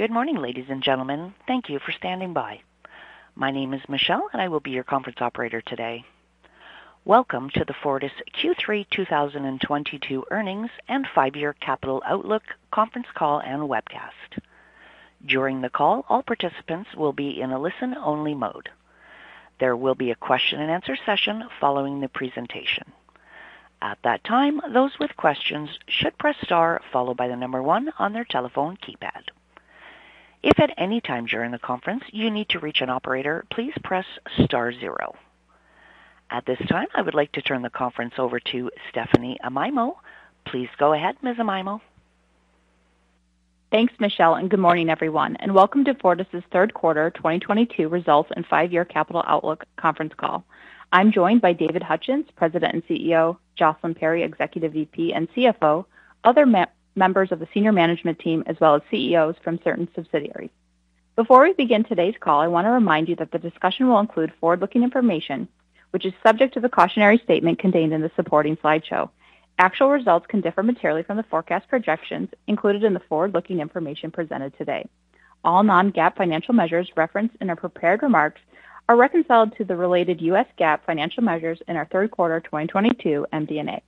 Good morning, ladies and gentlemen. Thank you for standing by. My name is Michelle, and I will be your conference operator today. Welcome to the Fortis Q3 2022 Earnings and Five-Year Capital Outlook Conference Call and Webcast. During the call, all participants will be in a listen-only mode. There will be a question-and-answer session following the presentation. At that time, those with questions should press star followed by the number one on their telephone keypad. If at any time during the conference you need to reach an operator, please press star zero. At this time, I would like to turn the conference over to Stephanie Amaimo. Please go ahead, Ms. Amaimo. Thanks, Michelle, and good morning, everyone, and welcome to Fortis' Third Quarter 2022 Results and Five-Year Capital Outlook Conference Call. I'm joined by David Hutchens, President and CEO, Jocelyn Perry, Executive VP and CFO, other members of the senior management team, as well as CEOs from certain subsidiaries. Before we begin today's call, I want to remind you that the discussion will include forward-looking information, which is subject to the cautionary statement contained in the supporting slideshow. Actual results can differ materially from the forecast projections included in the forward-looking information presented today. All non-GAAP financial measures referenced in our prepared remarks are reconciled to the related U.S. GAAP financial measures in our third quarter 2022 MD&A.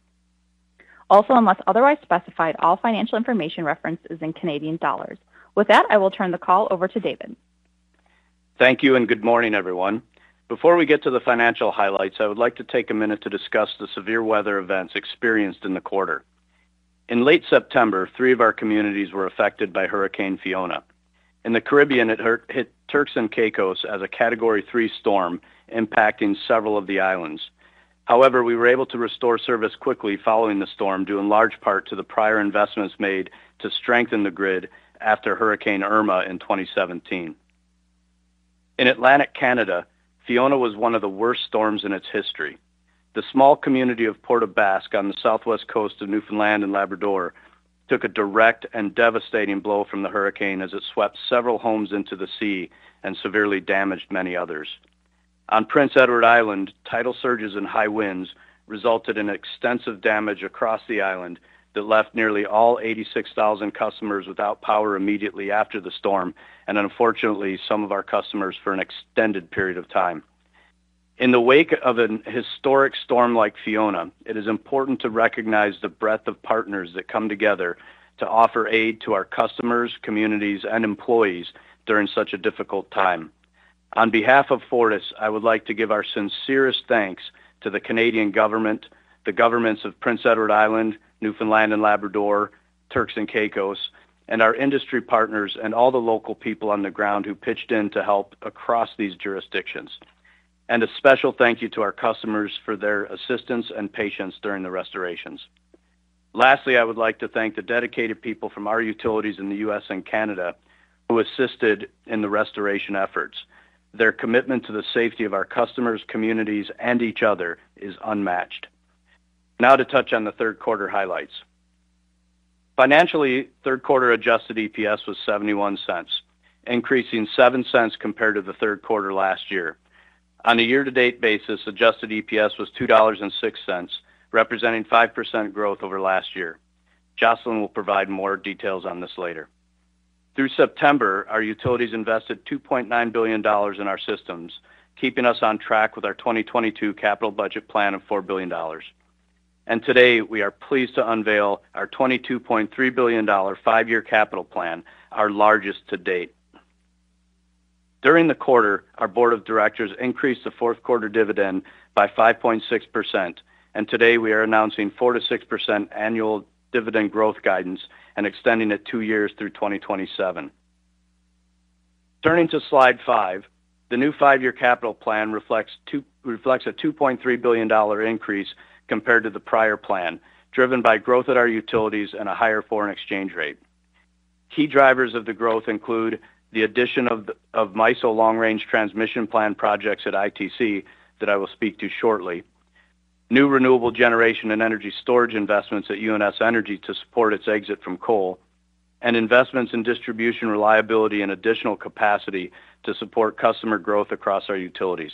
Also, unless otherwise specified, all financial information referenced is in Canadian dollars. With that, I will turn the call over to David. Thank you and good morning, everyone. Before we get to the financial highlights, I would like to take a minute to discuss the severe weather events experienced in the quarter. In late September, three of our communities were affected by Hurricane Fiona. In the Caribbean, it hit Turks and Caicos as a Category 3 storm, impacting several of the islands. However, we were able to restore service quickly following the storm, due in large part to the prior investments made to strengthen the grid after Hurricane Irma in 2017. In Atlantic Canada, Fiona was one of the worst storms in its history. The small community of Port aux Basques on the southwest coast of Newfoundland and Labrador took a direct and devastating blow from the hurricane as it swept several homes into the sea and severely damaged many others. On Prince Edward Island, tidal surges and high winds resulted in extensive damage across the island that left nearly all 86,000 customers without power immediately after the storm, and unfortunately, some of our customers for an extended period of time. In the wake of an historic storm like Fiona, it is important to recognize the breadth of partners that come together to offer aid to our customers, communities and employees during such a difficult time. On behalf of Fortis, I would like to give our sincerest thanks to the Canadian government, the governments of Prince Edward Island, Newfoundland and Labrador, Turks and Caicos and our industry partners and all the local people on the ground who pitched in to help across these jurisdictions. A special thank you to our customers for their assistance and patience during the restorations. Lastly, I would like to thank the dedicated people from our utilities in the U.S. and Canada who assisted in the restoration efforts. Their commitment to the safety of our customers, communities and each other is unmatched. Now to touch on the third quarter highlights. Financially, third quarter adjusted EPS was 0.71, increasing 0.07 compared to the third quarter last year. On a year-to-date basis, adjusted EPS was 2.06 dollars, representing 5% growth over last year. Jocelyn will provide more details on this later. Through September, our utilities invested 2.9 billion dollars in our systems, keeping us on track with our 2022 capital budget plan of 4 billion dollars. Today, we are pleased to unveil our 22.3 billion dollar five-year capital plan, our largest to date. During the quarter, our board of directors increased the fourth quarter dividend by 5.6%, and today we are announcing 4%-6% annual dividend growth guidance and extending it two years through 2027. Turning to slide five, the new five-year capital plan reflects a 2.3 billion dollar increase compared to the prior plan, driven by growth at our utilities and a higher foreign exchange rate. Key drivers of the growth include the addition of MISO Long-Range Transmission Plan projects at ITC that I will speak to shortly. New renewable generation and energy storage investments at UNS Energy to support its exit from coal, and investments in distribution, reliability and additional capacity to support customer growth across our utilities.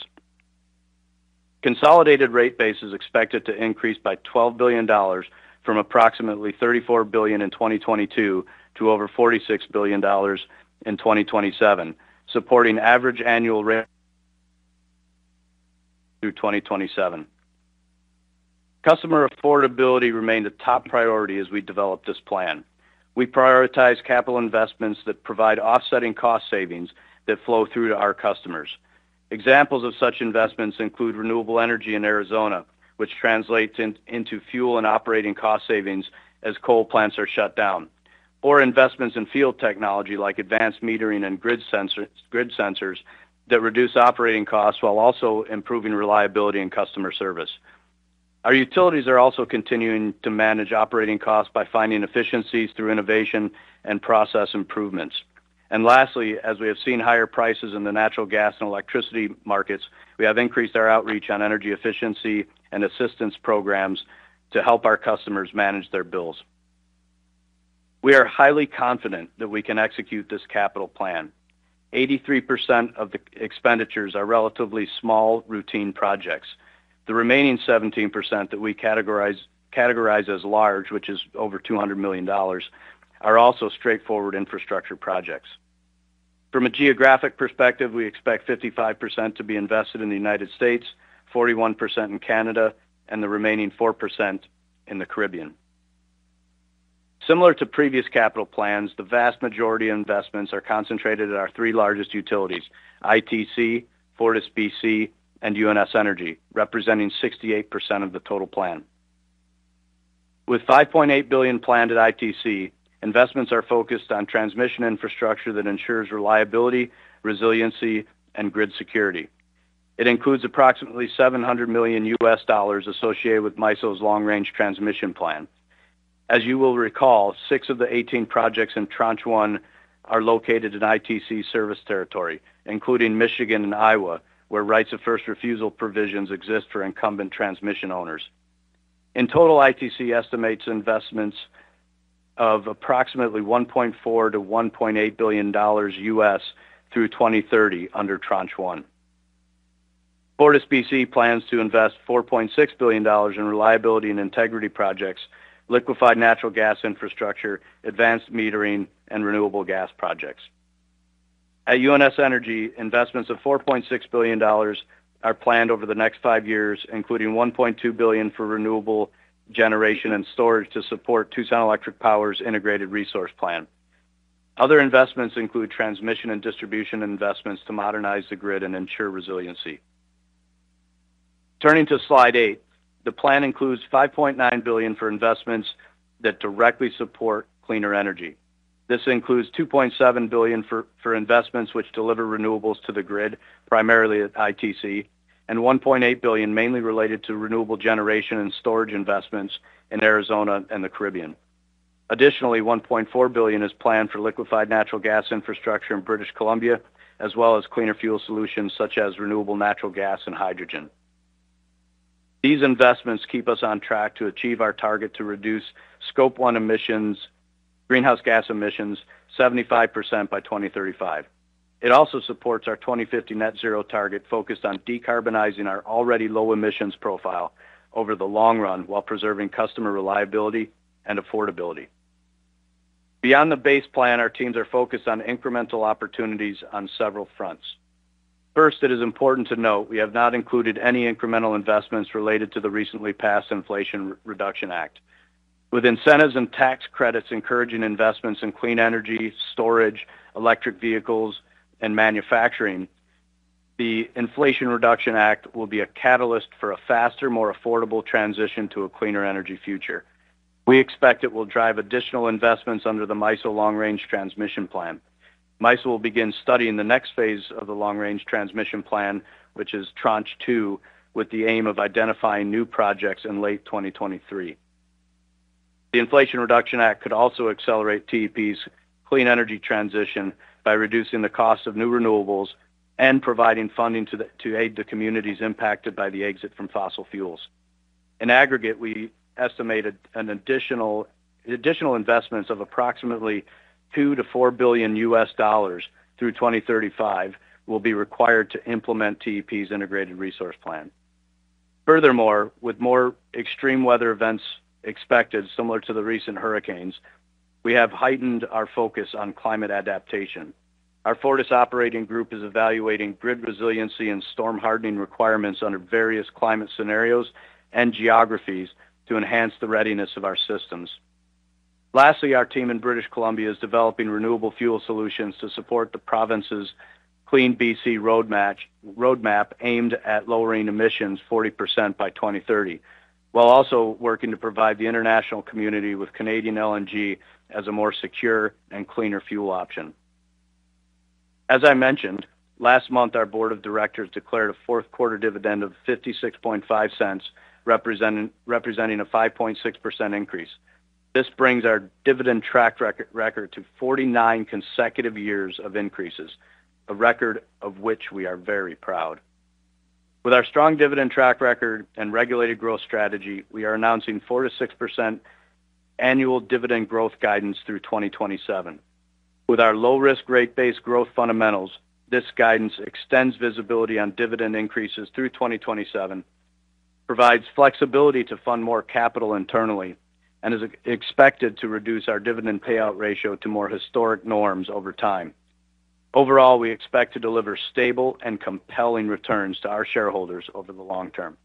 Consolidated rate base is expected to increase by 12 billion dollars from approximately 34 billion in 2022 to over 46 billion dollars in 2027, supporting average annual rate through 2027. Customer affordability remained a top priority as we developed this plan. We prioritize capital investments that provide offsetting cost savings that flow through to our customers. Examples of such investments include renewable energy in Arizona, which translates into fuel and operating cost savings as coal plants are shut down. Investments in field technology like advanced metering and grid sensors that reduce operating costs while also improving reliability and customer service. Our utilities are also continuing to manage operating costs by finding efficiencies through innovation and process improvements. Lastly, as we have seen higher prices in the natural gas and electricity markets, we have increased our outreach on energy efficiency and assistance programs to help our customers manage their bills. We are highly confident that we can execute this capital plan. 83% of the expenditures are relatively small, routine projects. The remaining 17% that we categorize as large, which is over 200 million dollars, are also straightforward infrastructure projects. From a geographic perspective, we expect 55% to be invested in the United States, 41% in Canada, and the remaining 4% in the Caribbean. Similar to previous capital plans, the vast majority of investments are concentrated at our three largest utilities, ITC, FortisBC, and UNS Energy, representing 68% of the total plan. With 5.8 billion planned at ITC, investments are focused on transmission infrastructure that ensures reliability, resiliency, and grid security. It includes approximately $700 million associated with MISO Long-Range Transmission Plan. As you will recall, six of the 18 projects in Tranche 1 are located in ITC service territory, including Michigan and Iowa, where rights of first refusal provisions exist for incumbent transmission owners. In total, ITC estimates investments of approximately $1.4 billion-$1.8 billion through 2030 under Tranche 1. FortisBC plans to invest 4.6 billion dollars in reliability and integrity projects, liquefied natural gas infrastructure, advanced metering, and renewable gas projects. At UNS Energy, investments of 4.6 billion dollars are planned over the next five years, including 1.2 billion for renewable generation and storage to support Tucson Electric Power's integrated resource plan. Other investments include transmission and distribution investments to modernize the grid and ensure resiliency. Turning to slide eight, the plan includes 5.9 billion for investments that directly support cleaner energy. This includes 2.7 billion for investments which deliver renewables to the grid, primarily at ITC, and 1.8 billion mainly related to renewable generation and storage investments in Arizona and the Caribbean. Additionally, 1.4 billion is planned for liquefied natural gas infrastructure in British Columbia, as well as cleaner fuel solutions such as renewable natural gas and hydrogen. These investments keep us on track to achieve our target to reduce scope one emissions, greenhouse gas emissions 75% by 2035. It also supports our 2050 net zero target focused on decarbonizing our already low emissions profile over the long run while preserving customer reliability and affordability. Beyond the base plan, our teams are focused on incremental opportunities on several fronts. First, it is important to note we have not included any incremental investments related to the recently passed Inflation Reduction Act. With incentives and tax credits encouraging investments in clean energy, storage, electric vehicles, and manufacturing, the Inflation Reduction Act will be a catalyst for a faster, more affordable transition to a cleaner energy future. We expect it will drive additional investments under the MISO Long-Range Transmission Plan. MISO will begin studying the next phase of the Long-Range Transmission Plan, which is Tranche 2, with the aim of identifying new projects in late 2023. The Inflation Reduction Act could also accelerate TEP's clean energy transition by reducing the cost of new renewables and providing funding to aid the communities impacted by the exit from fossil fuels. In aggregate, we estimated an additional investments of approximately $2-$4 billion through 2035 will be required to implement TEP's integrated resource plan. Furthermore, with more extreme weather events expected, similar to the recent hurricanes, we have heightened our focus on climate adaptation. Our Fortis Operating Group is evaluating grid resiliency and storm hardening requirements under various climate scenarios and geographies to enhance the readiness of our systems. Lastly, our team in British Columbia is developing renewable fuel solutions to support the province's CleanBC Roadmap aimed at lowering emissions 40% by 2030, while also working to provide the international community with Canadian LNG as a more secure and cleaner fuel option. As I mentioned, last month, our board of directors declared a fourth-quarter dividend of 0.565, representing a 5.6% increase. This brings our dividend track record to 49 consecutive years of increases, a record of which we are very proud. With our strong dividend track record and regulated growth strategy, we are announcing 4%-6% annual dividend growth guidance through 2027. With our low-risk rate-based growth fundamentals, this guidance extends visibility on dividend increases through 2027, provides flexibility to fund more capital internally, and is expected to reduce our dividend payout ratio to more historic norms over time. Overall, we expect to deliver stable and compelling returns to our shareholders over the long term.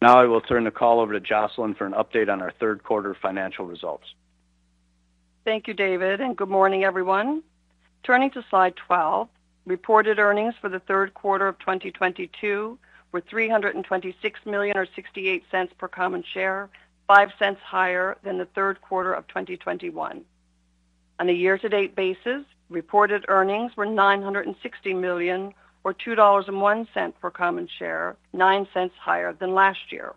Now I will turn the call over to Jocelyn for an update on our third-quarter financial results. Thank you, David, and good morning, everyone. Turning to slide 12, reported earnings for the third quarter of 2022 were 326 million, or 0.68 per common share, 0.05 higher than the third quarter of 2021. On a year-to-date basis, reported earnings were 960 million, or 2.01 dollars per common share, 0.09 higher than last year.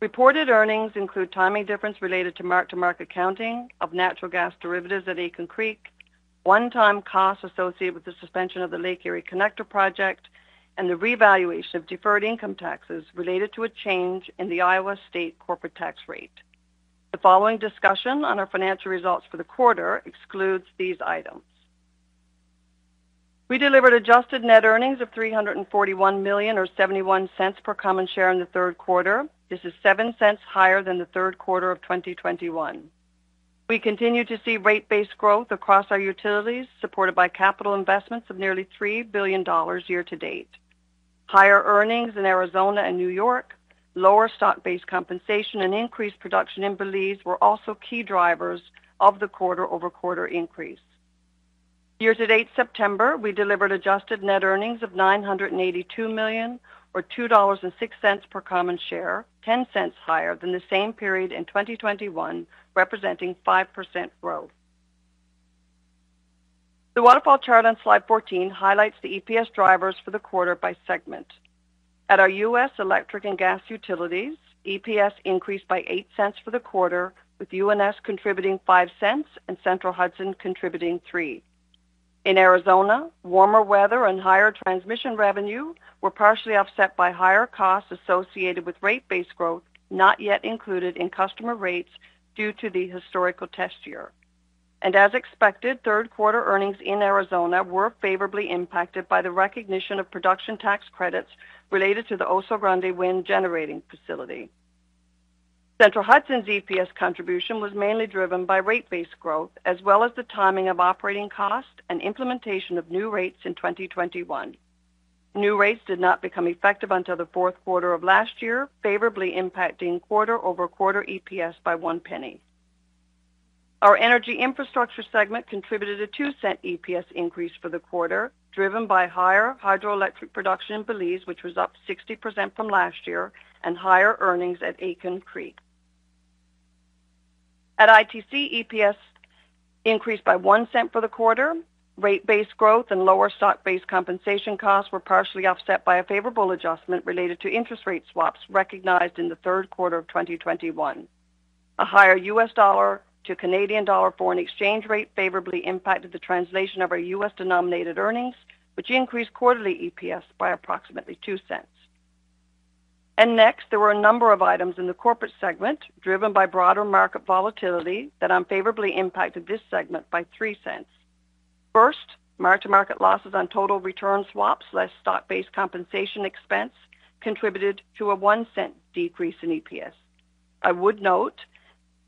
Reported earnings include timing difference related to mark-to-market accounting of natural gas derivatives at Aitken Creek, one-time costs associated with the suspension of the Lake Erie Connector project, and the revaluation of deferred income taxes related to a change in the Iowa State corporate tax rate. The following discussion on our financial results for the quarter excludes these items. We delivered adjusted net earnings of CAD 341 million or 0.71 per common share in the third quarter. This is 0.07 higher than the third quarter of 2021. We continue to see rate-based growth across our utilities, supported by capital investments of nearly 3 billion dollars year-to-date. Higher earnings in Arizona and New York, lower stock-based compensation and increased production in Belize were also key drivers of the quarter-over-quarter increase. Year-to-date September, we delivered adjusted net earnings of 982 million or 2.06 dollars per common share, 0.10 higher than the same period in 2021, representing 5% growth. The waterfall chart on slide 14 highlights the EPS drivers for the quarter by segment. At our U.S. electric and gas utilities, EPS increased by 0.08 for the quarter, with UNS contributing 0.05 and Central Hudson contributing 0.03. In Arizona, warmer weather and higher transmission revenue were partially offset by higher costs associated with rate-based growth, not yet included in customer rates due to the historical test year. As expected, third quarter earnings in Arizona were favorably impacted by the recognition of production tax credits related to the Oso Grande Wind Generating Facility. Central Hudson's EPS contribution was mainly driven by rate-based growth, as well as the timing of operating costs and implementation of new rates in 2021. New rates did not become effective until the fourth quarter of last year, favorably impacting quarter-over-quarter EPS by 0.01. Our energy infrastructure segment contributed a 0.02 EPS increase for the quarter, driven by higher hydroelectric production in Belize, which was up 60% from last year, and higher earnings at Aitken Creek. At ITC, EPS increased by 0.01 for the quarter. Rate-based growth and lower stock-based compensation costs were partially offset by a favorable adjustment related to interest rate swaps recognized in the third quarter of 2021. A higher U.S. dollar to Canadian dollar foreign exchange rate favorably impacted the translation of our U.S.-denominated earnings, which increased quarterly EPS by approximately 0.02. Next, there were a number of items in the corporate segment driven by broader market volatility that unfavorably impacted this segment by 0.03. First, mark-to-market losses on total return swaps, less stock-based compensation expense contributed to a 0.01 decrease in EPS. I would note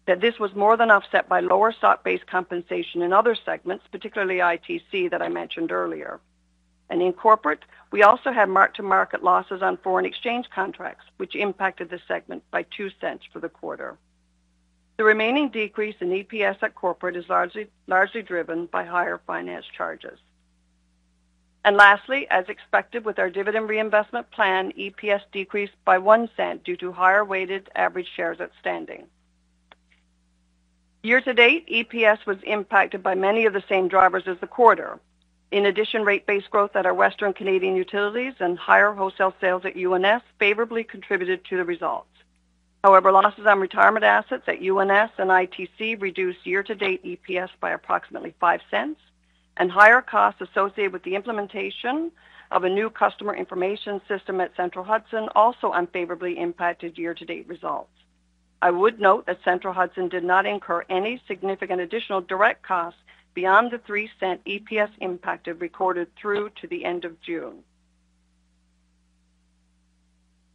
that this was more than offset by lower stock-based compensation in other segments, particularly ITC, that I mentioned earlier. In corporate, we also had mark-to-market losses on foreign exchange contracts, which impacted the segment by 0.02 for the quarter. The remaining decrease in EPS at corporate is largely driven by higher finance charges. Lastly, as expected with our dividend reinvestment plan, EPS decreased by 0.01 due to higher weighted average shares outstanding. Year-to-date, EPS was impacted by many of the same drivers as the quarter. In addition, rate-based growth at our Western Canadian utilities and higher wholesale sales at UNS favorably contributed to the results. However, losses on retirement assets at UNS and ITC reduced year-to-date EPS by approximately 0.05, and higher costs associated with the implementation of a new customer information system at Central Hudson also unfavorably impacted year-to-date results. I would note that Central Hudson did not incur any significant additional direct costs beyond the 0.03 EPS impact it recorded through to the end of June.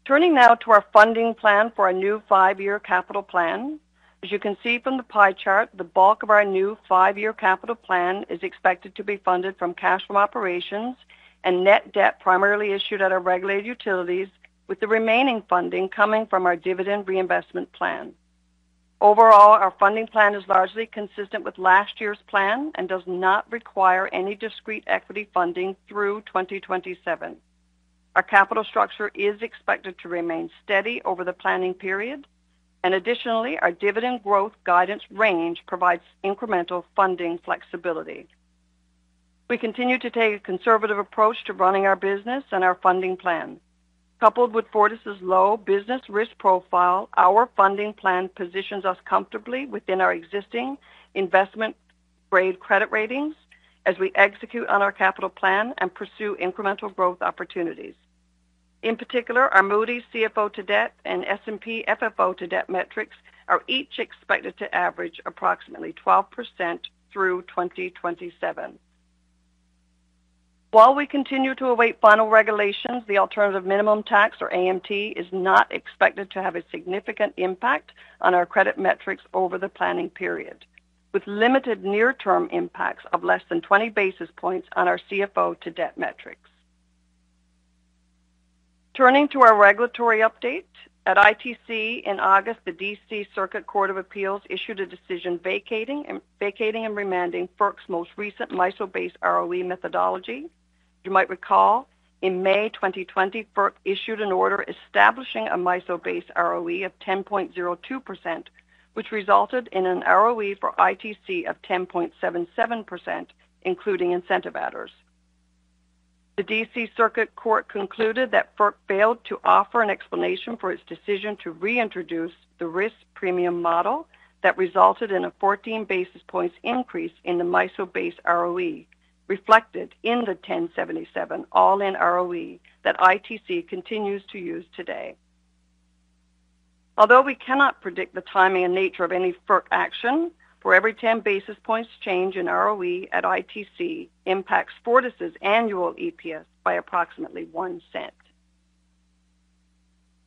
Turning now to our funding plan for our new five-year capital plan. As you can see from the pie chart, the bulk of our new five-year capital plan is expected to be funded from cash from operations and net debt primarily issued at our regulated utilities, with the remaining funding coming from our dividend reinvestment plan. Overall, our funding plan is largely consistent with last year's plan and does not require any discrete equity funding through 2027. Our capital structure is expected to remain steady over the planning period, and additionally, our dividend growth guidance range provides incremental funding flexibility. We continue to take a conservative approach to running our business and our funding plan. Coupled with Fortis' low business risk profile, our funding plan positions us comfortably within our existing investment grade credit ratings as we execute on our capital plan and pursue incremental growth opportunities. In particular, our Moody's CFO to debt and S&P FFO to debt metrics are each expected to average approximately 12% through 2027. While we continue to await final regulations, the alternative minimum tax, or AMT, is not expected to have a significant impact on our credit metrics over the planning period, with limited near-term impacts of less than 20 basis points on our CFO to debt metrics. Turning to our regulatory update. At ITC in August, the D.C. Circuit Court of Appeals issued a decision vacating and remanding FERC's most recent MISO-based ROE methodology. You might recall, in May 2020, FERC issued an order establishing a MISO-based ROE of 10.02%, which resulted in an ROE for ITC of 10.77%, including incentive adders. The D.C. Circuit Court concluded that FERC failed to offer an explanation for its decision to reintroduce the Risk Premium Model that resulted in a 14 basis points increase in the MISO-based ROE, reflected in the 10.77 all-in ROE that ITC continues to use today. Although we cannot predict the timing and nature of any FERC action, for every 10 basis points change in ROE at ITC impacts Fortis' annual EPS by approximately 0.01.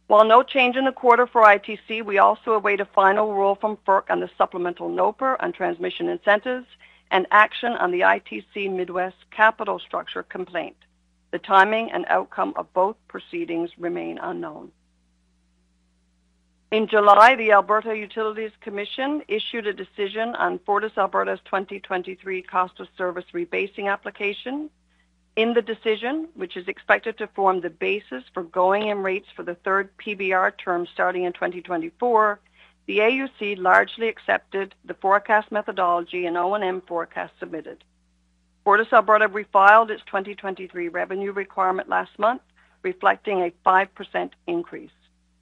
While no change in the quarter for ITC, we also await a final rule from FERC on the supplemental NOPR on transmission incentives and action on the ITC Midwest capital structure complaint. The timing and outcome of both proceedings remain unknown. In July, the Alberta Utilities Commission issued a decision on FortisAlberta's 2023 cost of service rebasing application. In the decision, which is expected to form the basis for going-in rates for the third PBR term starting in 2024, the AUC largely accepted the forecast methodology and O&M forecast submitted. FortisAlberta refiled its 2023 revenue requirement last month, reflecting a 5% increase.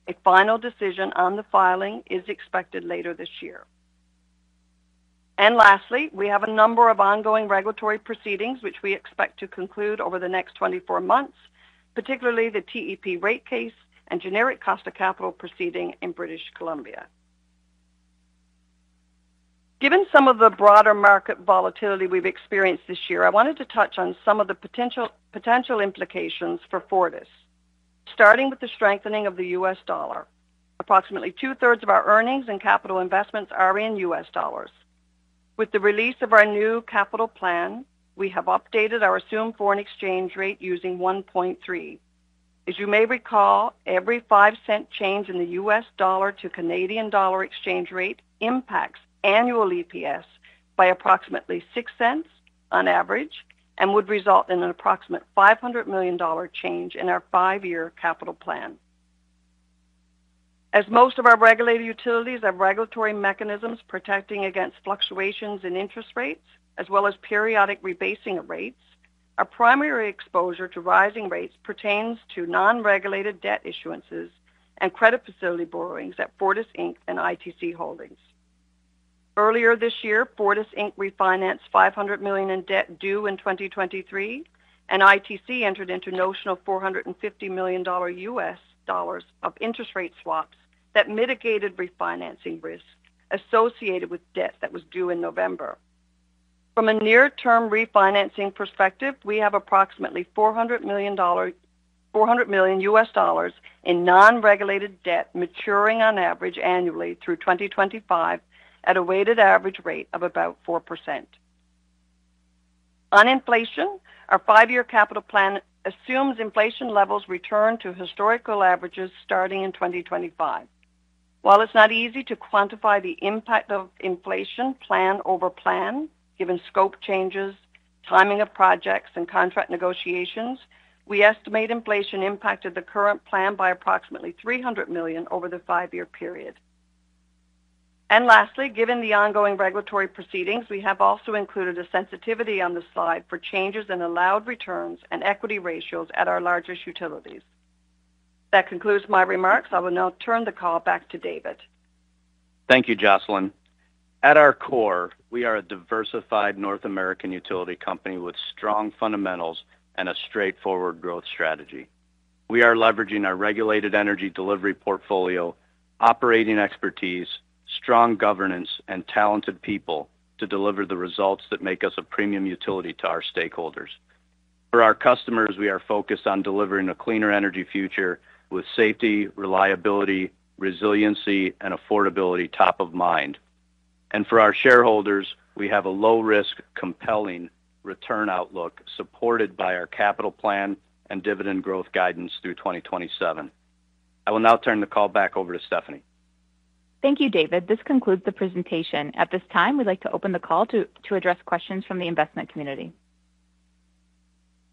A final decision on the filing is expected later this year. Lastly, we have a number of ongoing regulatory proceedings which we expect to conclude over the next 24 months, particularly the TEP rate case and generic cost of capital proceeding in British Columbia. Given some of the broader market volatility we've experienced this year, I wanted to touch on some of the potential implications for Fortis, starting with the strengthening of the U.S. dollar. Approximately two-thirds of our earnings and capital investments are in U.S. dollars. With the release of our new capital plan, we have updated our assumed foreign exchange rate using 1.3. As you may recall, every 0.05 change in the U.S. dollar to Canadian dollar exchange rate impacts annual EPS by approximately 0.06 on average and would result in an approximate 500 million dollar change in our five-year capital plan. As most of our regulated utilities have regulatory mechanisms protecting against fluctuations in interest rates as well as periodic rebasing of rates, our primary exposure to rising rates pertains to non-regulated debt issuances and credit facility borrowings at Fortis Inc, and ITC Holdings. Earlier this year, Fortis Inc refinanced 500 million in debt due in 2023, and ITC entered into notional $450 million U.S. dollars of interest rate swaps that mitigated refinancing risk associated with debt that was due in November. From a near-term refinancing perspective, we have approximately $400 million in non-regulated debt maturing on average annually through 2025 at a weighted average rate of about 4%. On inflation, our five-year capital plan assumes inflation levels return to historical averages starting in 2025. While it's not easy to quantify the impact of inflation plan over plan, given scope changes, timing of projects, and contract negotiations, we estimate inflation impacted the current plan by approximately 300 million over the five-year period. Lastly, given the ongoing regulatory proceedings, we have also included a sensitivity on the slide for changes in allowed returns and equity ratios at our largest utilities. That concludes my remarks. I will now turn the call back to David. Thank you, Jocelyn. At our core, we are a diversified North American utility company with strong fundamentals and a straightforward growth strategy. We are leveraging our regulated energy delivery portfolio, operating expertise, strong governance, and talented people to deliver the results that make us a premium utility to our stakeholders. For our customers, we are focused on delivering a cleaner energy future with safety, reliability, resiliency, and affordability top of mind. For our shareholders, we have a low-risk, compelling return outlook supported by our capital plan and dividend growth guidance through 2027. I will now turn the call back over to Stephanie. Thank you, David. This concludes the presentation. At this time, we'd like to open the call to address questions from the investment community.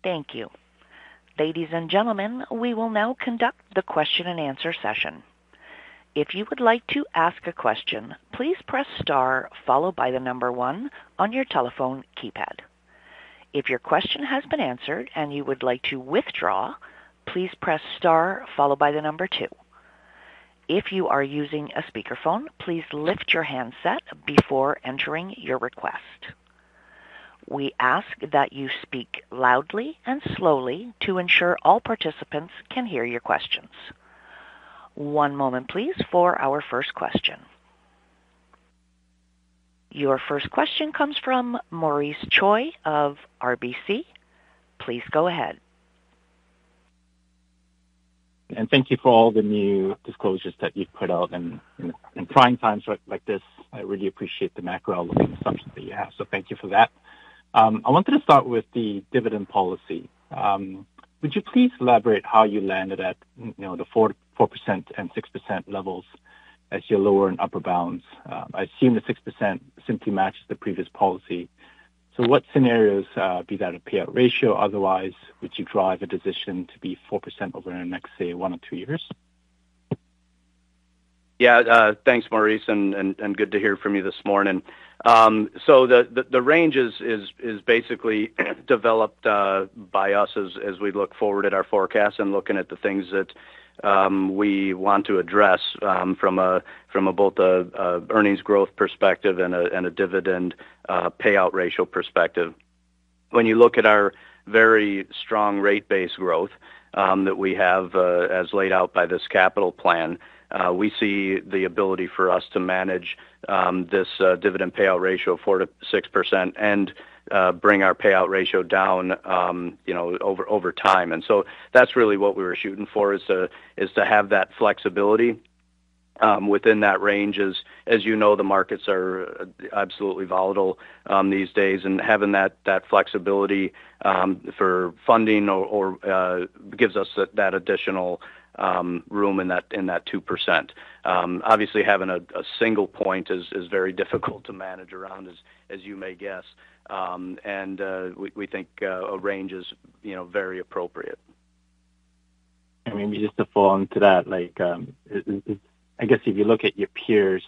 Thank you. Ladies and gentlemen, we will now conduct the question-and-answer session. If you would like to ask a question, please press star followed by the number one on your telephone keypad. If your question has been answered and you would like to withdraw, please press star followed by the number two. If you are using a speakerphone, please lift your handset before entering your request. We ask that you speak loudly and slowly to ensure all participants can hear your questions. One moment, please, for our first question. Your first question comes from Maurice Choy of RBC. Please go ahead. Thank you for all the new disclosures that you've put out. In trying times like this, I really appreciate the macro-looking assumptions that you have. Thank you for that. I wanted to start with the dividend policy. Would you please elaborate how you landed at, you know, the 4% and 6% levels as your lower and upper bounds? I assume the 6% simply matches the previous policy. What scenarios, be that a payout ratio otherwise, would drive a decision to be 4% over the next, say, one to two years? Yeah. Thanks, Maurice, and good to hear from you this morning. So the range is basically developed by us as we look forward at our forecast and looking at the things that we want to address from both a earnings growth perspective and a dividend payout ratio perspective. When you look at our very strong rate base growth that we have as laid out by this capital plan, we see the ability for us to manage this dividend payout ratio of 4%-6% and bring our payout ratio down, you know, over time. That's really what we were shooting for, is to have that flexibility within that range. As you know, the markets are absolutely volatile these days, and having that flexibility for funding gives us that additional room in that 2%. Obviously, having a single point is very difficult to manage around, as you may guess. We think a range is, you know, very appropriate. Maybe just to follow into that, like, I guess if you look at your peers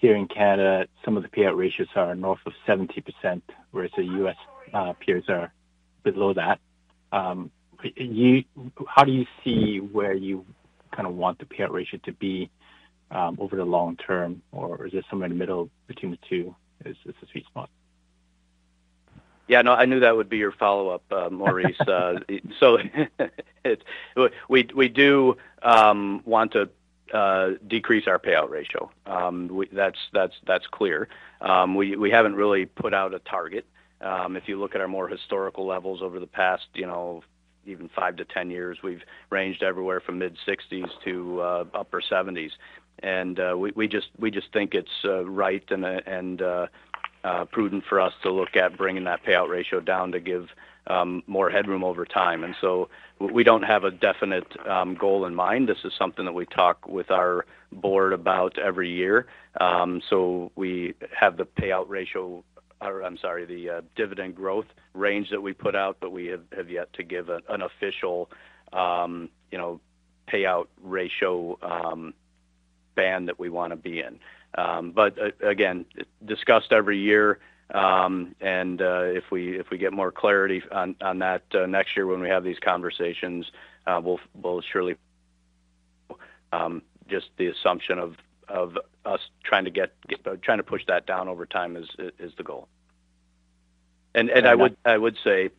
here in Canada, some of the payout ratios are north of 70%, whereas the U.S. peers are below that. How do you see where you kind of want the payout ratio to be over the long term? Or is it somewhere in the middle between the two is the sweet spot? Yeah, no, I knew that would be your follow-up, Maurice. So we do want to decrease our payout ratio. That's clear. We haven't really put out a target. If you look at our more historical levels over the past, you know, even five to 10 years, we've ranged everywhere from mid-60s% to upper 70s%. We just think it's right and prudent for us to look at bringing that payout ratio down to give more headroom over time. We don't have a definite goal in mind. This is something that we talk with our board about every year. We have the payout ratio, or I'm sorry, the dividend growth range that we put out, but we have yet to give an official, you know, payout ratio band that we want to be in. Again, discussed every year. If we get more clarity on that next year when we have these conversations, we'll surely. Just the assumption of us trying to push that down over time is the goal. I would say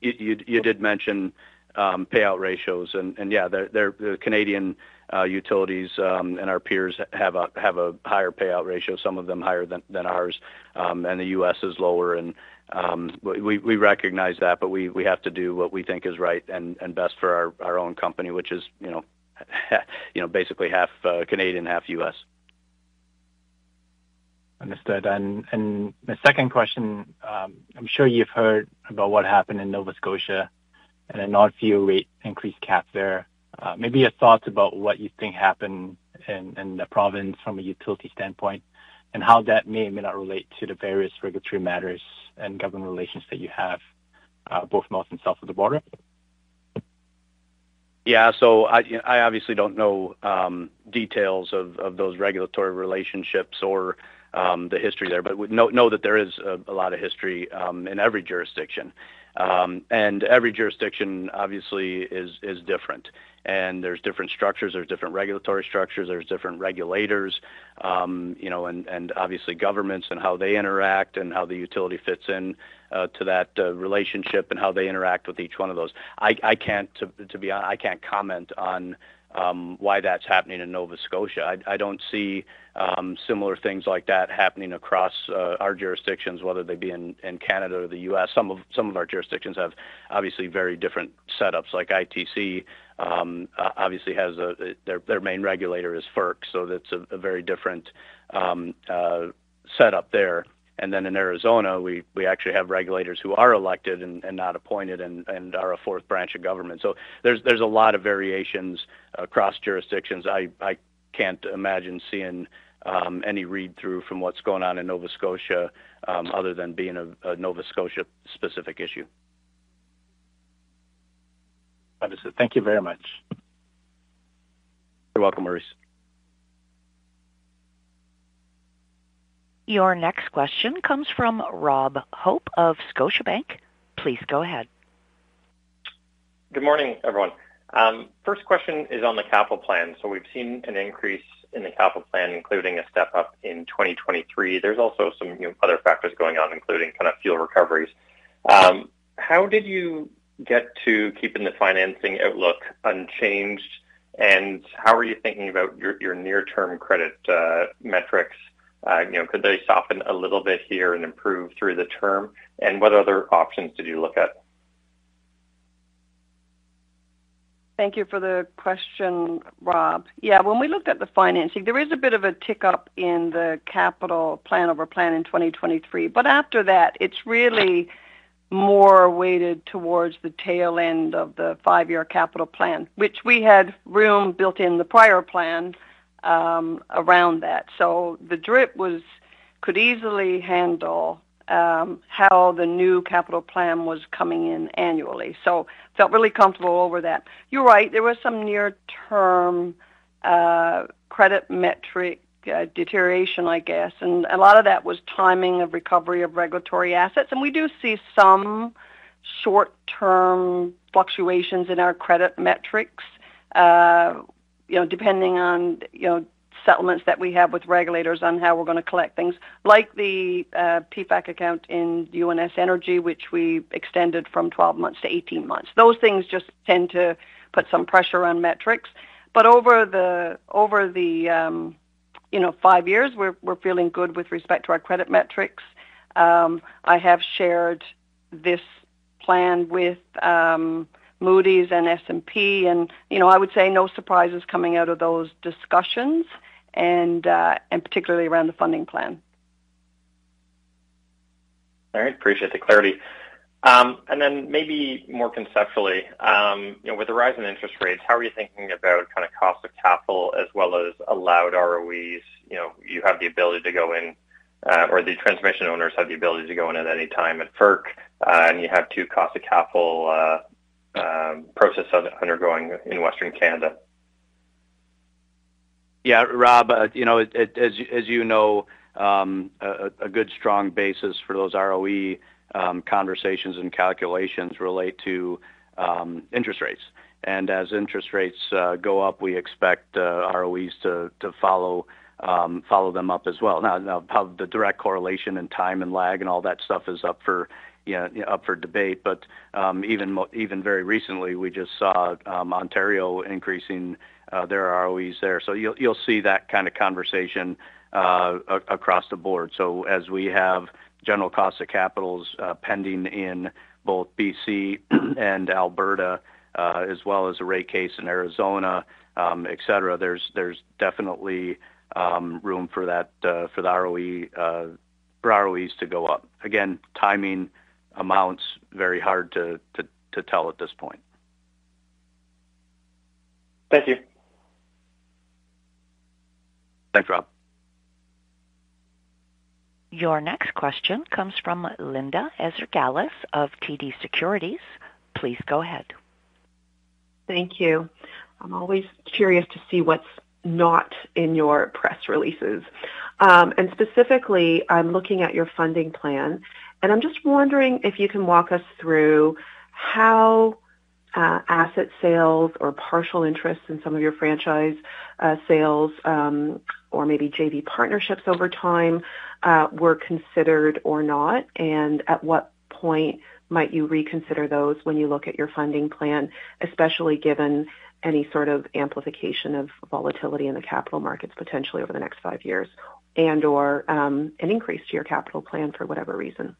you did mention payout ratios and yeah, they're Canadian utilities and our peers have a higher payout ratio, some of them higher than ours. The U.S. is lower. We recognize that, but we have to do what we think is right and best for our own company, which is, you know, basically half Canadian, half U.S. Understood. My second question, I'm sure you've heard about what happened in Nova Scotia and a 10% rate increase cap there. Maybe your thoughts about what you think happened in the province from a utility standpoint and how that may or may not relate to the various regulatory matters and government relations that you have, both north and south of the border? Yeah. I obviously don't know details of those regulatory relationships or the history there, but we know that there is a lot of history in every jurisdiction. Every jurisdiction obviously is different. There's different structures, there's different regulatory structures, there's different regulators, you know, and obviously governments and how they interact and how the utility fits in to that relationship and how they interact with each one of those. I can't comment on why that's happening in Nova Scotia. I don't see similar things like that happening across our jurisdictions, whether they be in Canada or the U.S. Some of our jurisdictions have obviously very different setups. Like ITC obviously has their main regulator is FERC, so that's a very different setup there. Then in Arizona, we actually have regulators who are elected and not appointed and are a fourth branch of government. There's a lot of variations across jurisdictions. I can't imagine seeing any read-through from what's going on in Nova Scotia other than being a Nova Scotia-specific issue. Understood. Thank you very much. You're welcome, Maurice. Your next question comes from Rob Hope of Scotiabank. Please go ahead. Good morning, everyone. First question is on the capital plan. We've seen an increase in the capital plan, including a step-up in 2023. There's also some, you know, other factors going on, including kind of fuel recoveries. How did you get to keeping the financing outlook unchanged, and how are you thinking about your near-term credit metrics? You know, could they soften a little bit here and improve through the term? What other options did you look at? Thank you for the question, Rob. Yeah, when we looked at the financing, there is a bit of a tick-up in the capital plan over plan in 2023. But after that, it's really more weighted towards the tail end of the five-year capital plan, which we had room built in the prior plan around that. So the DRIP could easily handle how the new capital plan was coming in annually. So felt really comfortable over that. You're right. There was some near-term credit metric deterioration, I guess. A lot of that was timing of recovery of regulatory assets. We do see some short-term fluctuations in our credit metrics, you know, depending on, you know, settlements that we have with regulators on how we're going to collect things like the PPFAC account in UNS Energy, which we extended from 12 months to 18 months. Those things just tend to put some pressure on metrics. Over the five years, we're feeling good with respect to our credit metrics. I have shared this plan with Moody's and S&P, and you know, I would say no surprises coming out of those discussions and particularly around the funding plan. All right. Appreciate the clarity. Maybe more conceptually, you know, with the rise in interest rates, how are you thinking about kind of cost of capital as well as allowed ROEs? You know, you have the ability to go in, or the transmission owners have the ability to go in at any time at FERC, and you have two cost of capital processes undergoing in Western Canada. Yeah, Rob, you know, as you know, a good strong basis for those ROE conversations and calculations relate to interest rates. As interest rates go up, we expect ROEs to follow them up as well. Now how the direct correlation and time and lag and all that stuff is up for debate. Even very recently, we just saw Ontario increasing their ROEs there. You'll see that kind of conversation across the board. As we have general cost of capitals pending in both BC and Alberta, as well as a rate case in Arizona, et cetera, there's definitely room for ROEs to go up. Again, timing is very hard to tell at this point. Thank you. Thanks, Rob. Your next question comes from Linda Ezergailis of TD Securities. Please go ahead. Thank you. I'm always curious to see what's not in your press releases. Specifically, I'm looking at your funding plan, and I'm just wondering if you can walk us through how asset sales or partial interest in some of your franchise sales or maybe JV partnerships over time were considered or not, and at what point might you reconsider those when you look at your funding plan, especially given any sort of amplification of volatility in the capital markets potentially over the next five years and/or an increase to your capital plan for whatever reason?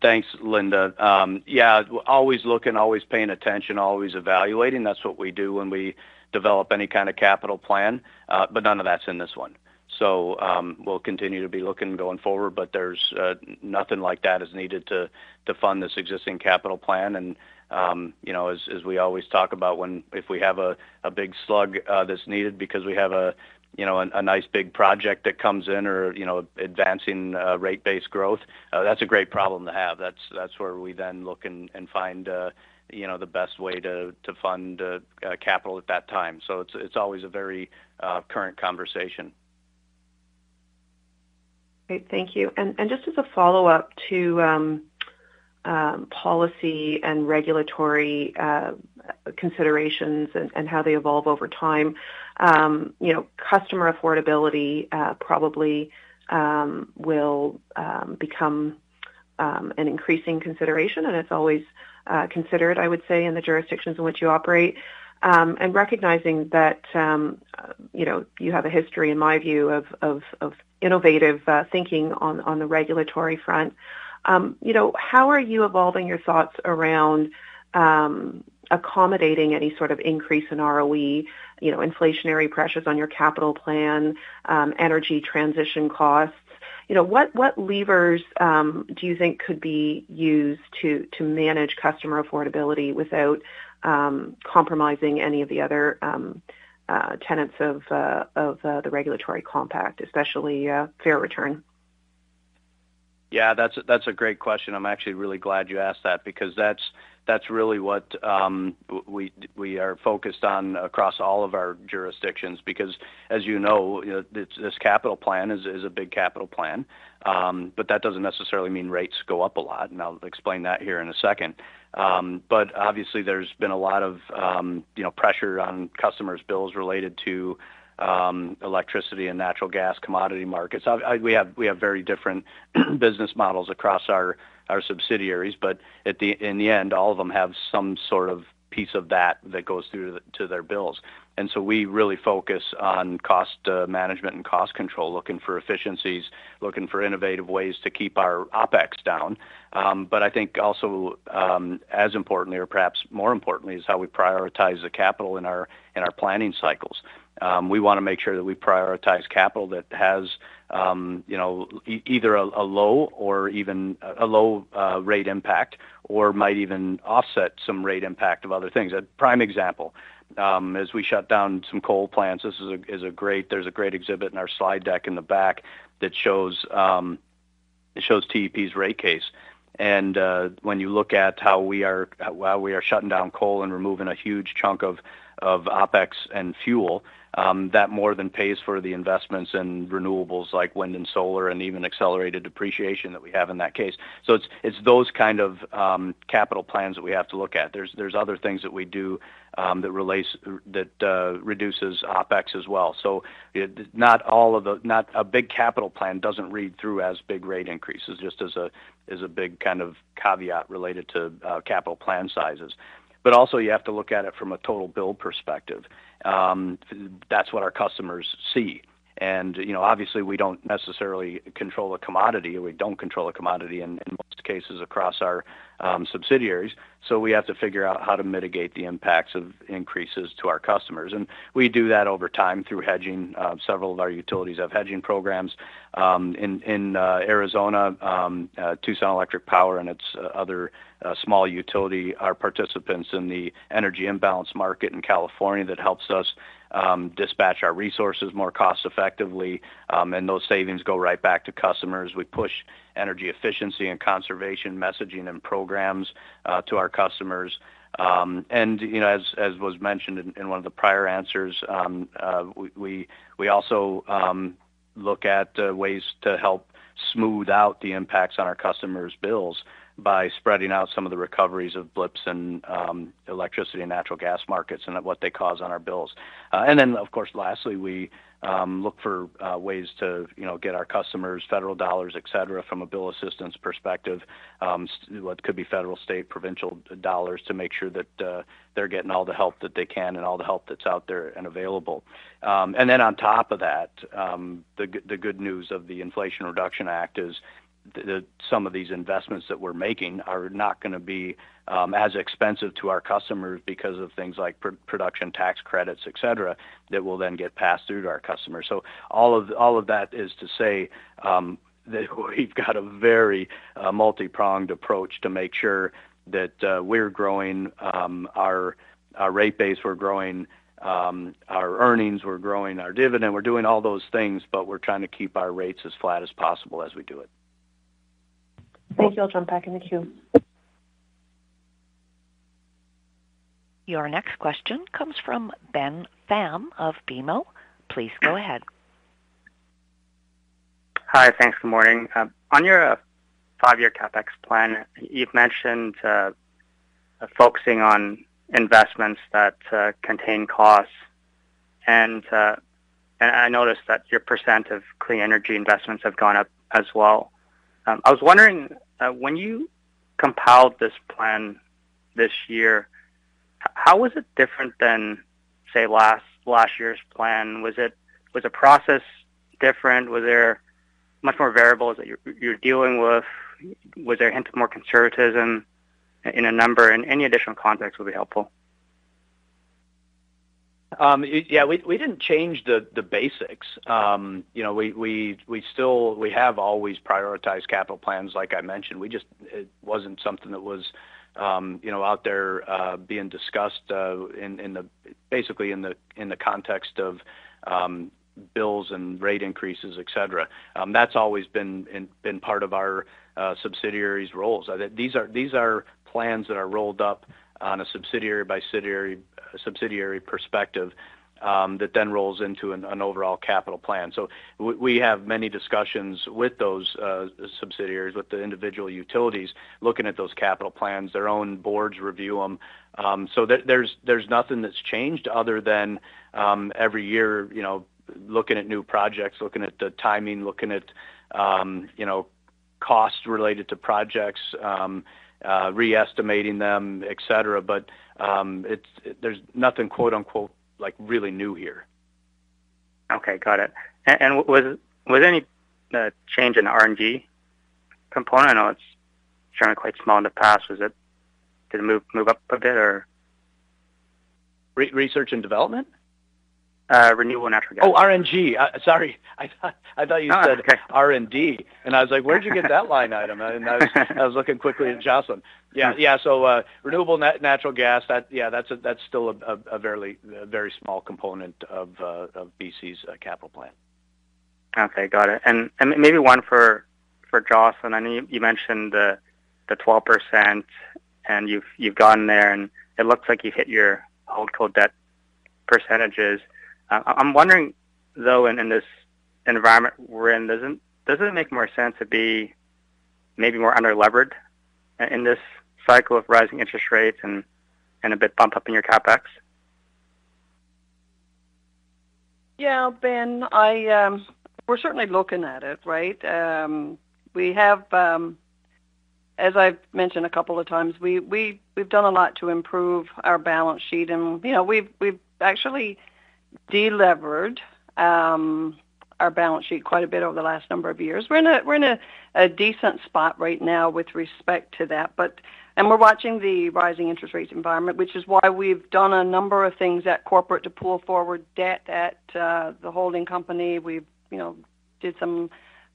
Thanks, Linda. Yeah, always looking, always paying attention, always evaluating. That's what we do when we develop any kind of capital plan. But none of that's in this one. We'll continue to be looking going forward, but there's nothing like that is needed to fund this existing capital plan. You know, as we always talk about when if we have a big slug that's needed because we have a, you know, a nice big project that comes in or, you know, advancing rate base growth, that's a great problem to have. That's where we then look and find, you know, the best way to fund capital at that time. It's always a very current conversation. Great. Thank you. Just as a follow-up to policy and regulatory considerations and how they evolve over time. You know, customer affordability probably will become an increasing consideration, and it's always considered, I would say, in the jurisdictions in which you operate. Recognizing that, you know, you have a history, in my view, of innovative thinking on the regulatory front. You know, how are you evolving your thoughts around accommodating any sort of increase in ROE, you know, inflationary pressures on your capital plan, energy transition costs? You know, what levers do you think could be used to manage customer affordability without compromising any of the other tenets of the regulatory compact, especially fair return? Yeah, that's a great question. I'm actually really glad you asked that because that's really what we are focused on across all of our jurisdictions. As you know, this capital plan is a big capital plan. That doesn't necessarily mean rates go up a lot, and I'll explain that here in a second. Obviously there's been a lot of you know, pressure on customers' bills related to electricity and natural gas commodity markets. Obviously, we have very different business models across our subsidiaries, but in the end, all of them have some sort of piece of that that goes through to their bills. We really focus on cost management and cost control, looking for efficiencies, looking for innovative ways to keep our OpEx down. I think also, as importantly or perhaps more importantly, is how we prioritize the capital in our planning cycles. We want to make sure that we prioritize capital that has, you know, either a low or even low rate impact or might even offset some rate impact of other things. A prime example, as we shut down some coal plants, this is a great exhibit in our slide deck in the back that shows. It shows TEP's rate case. When you look at, while we are shutting down coal and removing a huge chunk of OpEx and fuel, that more than pays for the investments in renewables like wind and solar and even accelerated depreciation that we have in that case. It's those kind of capital plans that we have to look at. There's other things that we do that reduces OpEx as well. Not a big capital plan doesn't read through as big rate increases, just as a big kind of caveat related to capital plan sizes. You also have to look at it from a total build perspective. That's what our customers see. You know, obviously, we don't necessarily control a commodity, or we don't control a commodity in most cases across our subsidiaries. We have to figure out how to mitigate the impacts of increases to our customers. We do that over time through hedging. Several of our utilities have hedging programs. In Arizona, Tucson Electric Power and its other small utility are participants in the Energy Imbalance Market in California that helps us dispatch our resources more cost effectively. Those savings go right back to customers. We push energy efficiency and conservation messaging and programs to our customers. You know, as was mentioned in one of the prior answers, we also look at ways to help smooth out the impacts on our customers' bills by spreading out some of the recoveries of blips in electricity and natural gas markets and what they cause on our bills. Of course, lastly, we look for ways to, you know, get our customers federal dollars, et cetera, from a bill assistance perspective, what could be federal, state, provincial dollars to make sure that they're getting all the help that they can and all the help that's out there and available. On top of that, the good news of the Inflation Reduction Act is that some of these investments that we're making are not going to be as expensive to our customers because of things like production tax credits, et cetera, that will then get passed through to our customers. All of that is to say that we've got a very multipronged approach to make sure that we're growing our rate base, we're growing our earnings, we're growing our dividend. We're doing all those things, but we're trying to keep our rates as flat as possible as we do it. Thank you. I'll jump back in the queue. Your next question comes from Ben Pham of BMO. Please go ahead. Hi. Thanks. Good morning. On your five-year CapEx plan, you've mentioned focusing on investments that contain costs. I noticed that your percent of clean energy investments have gone up as well. I was wondering when you compiled this plan this year, how was it different than, say, last year's plan? Was the process different? Were there much more variables that you're dealing with? Was there a hint of more conservatism in a number? Any additional context would be helpful. Yeah, we didn't change the basics. You know, we have always prioritized capital plans, like I mentioned. It wasn't something that was out there being discussed in the context of bills and rate increases, et cetera. That's always been part of our subsidiaries' roles. These are plans that are rolled up on a subsidiary-by-subsidiary perspective that then rolls into an overall capital plan. We have many discussions with those subsidiaries, with the individual utilities, looking at those capital plans. Their own boards review them. So there's nothing that's changed other than every year, you know, looking at new projects, looking at the timing, looking at you know, costs related to projects, estimating them, et cetera. It's nothing, quote-unquote, like, really new here. Okay, got it. Was any change in the RNG component? I know it's generally quite small in the past. Did it move up a bit, or? Research and development? Renewable natural gas. Oh, RNG. Sorry. I thought you said R&D. I was like, "Where'd you get that line item?" I was looking quickly at Jocelyn. Yeah. Renewable natural gas, that's still a fairly very small component of BC's capital plan. Okay, got it. Maybe one for Jocelyn. I know you mentioned the 12%, and you've gone there, and it looks like you hit your holdco debt percentages. I'm wondering, though, in this environment we're in, doesn't it make more sense to be maybe more underlevered in this cycle of rising interest rates and a bit bump up in your CapEx? Yeah, Ben, we're certainly looking at it, right? As I've mentioned a couple of times, we've done a lot to improve our balance sheet, and you know we've actually delevered our balance sheet quite a bit over the last number of years. We're in a decent spot right now with respect to that. We're watching the rising interest rates environment, which is why we've done a number of things at corporate to pull forward debt at the holding company. We've you know did some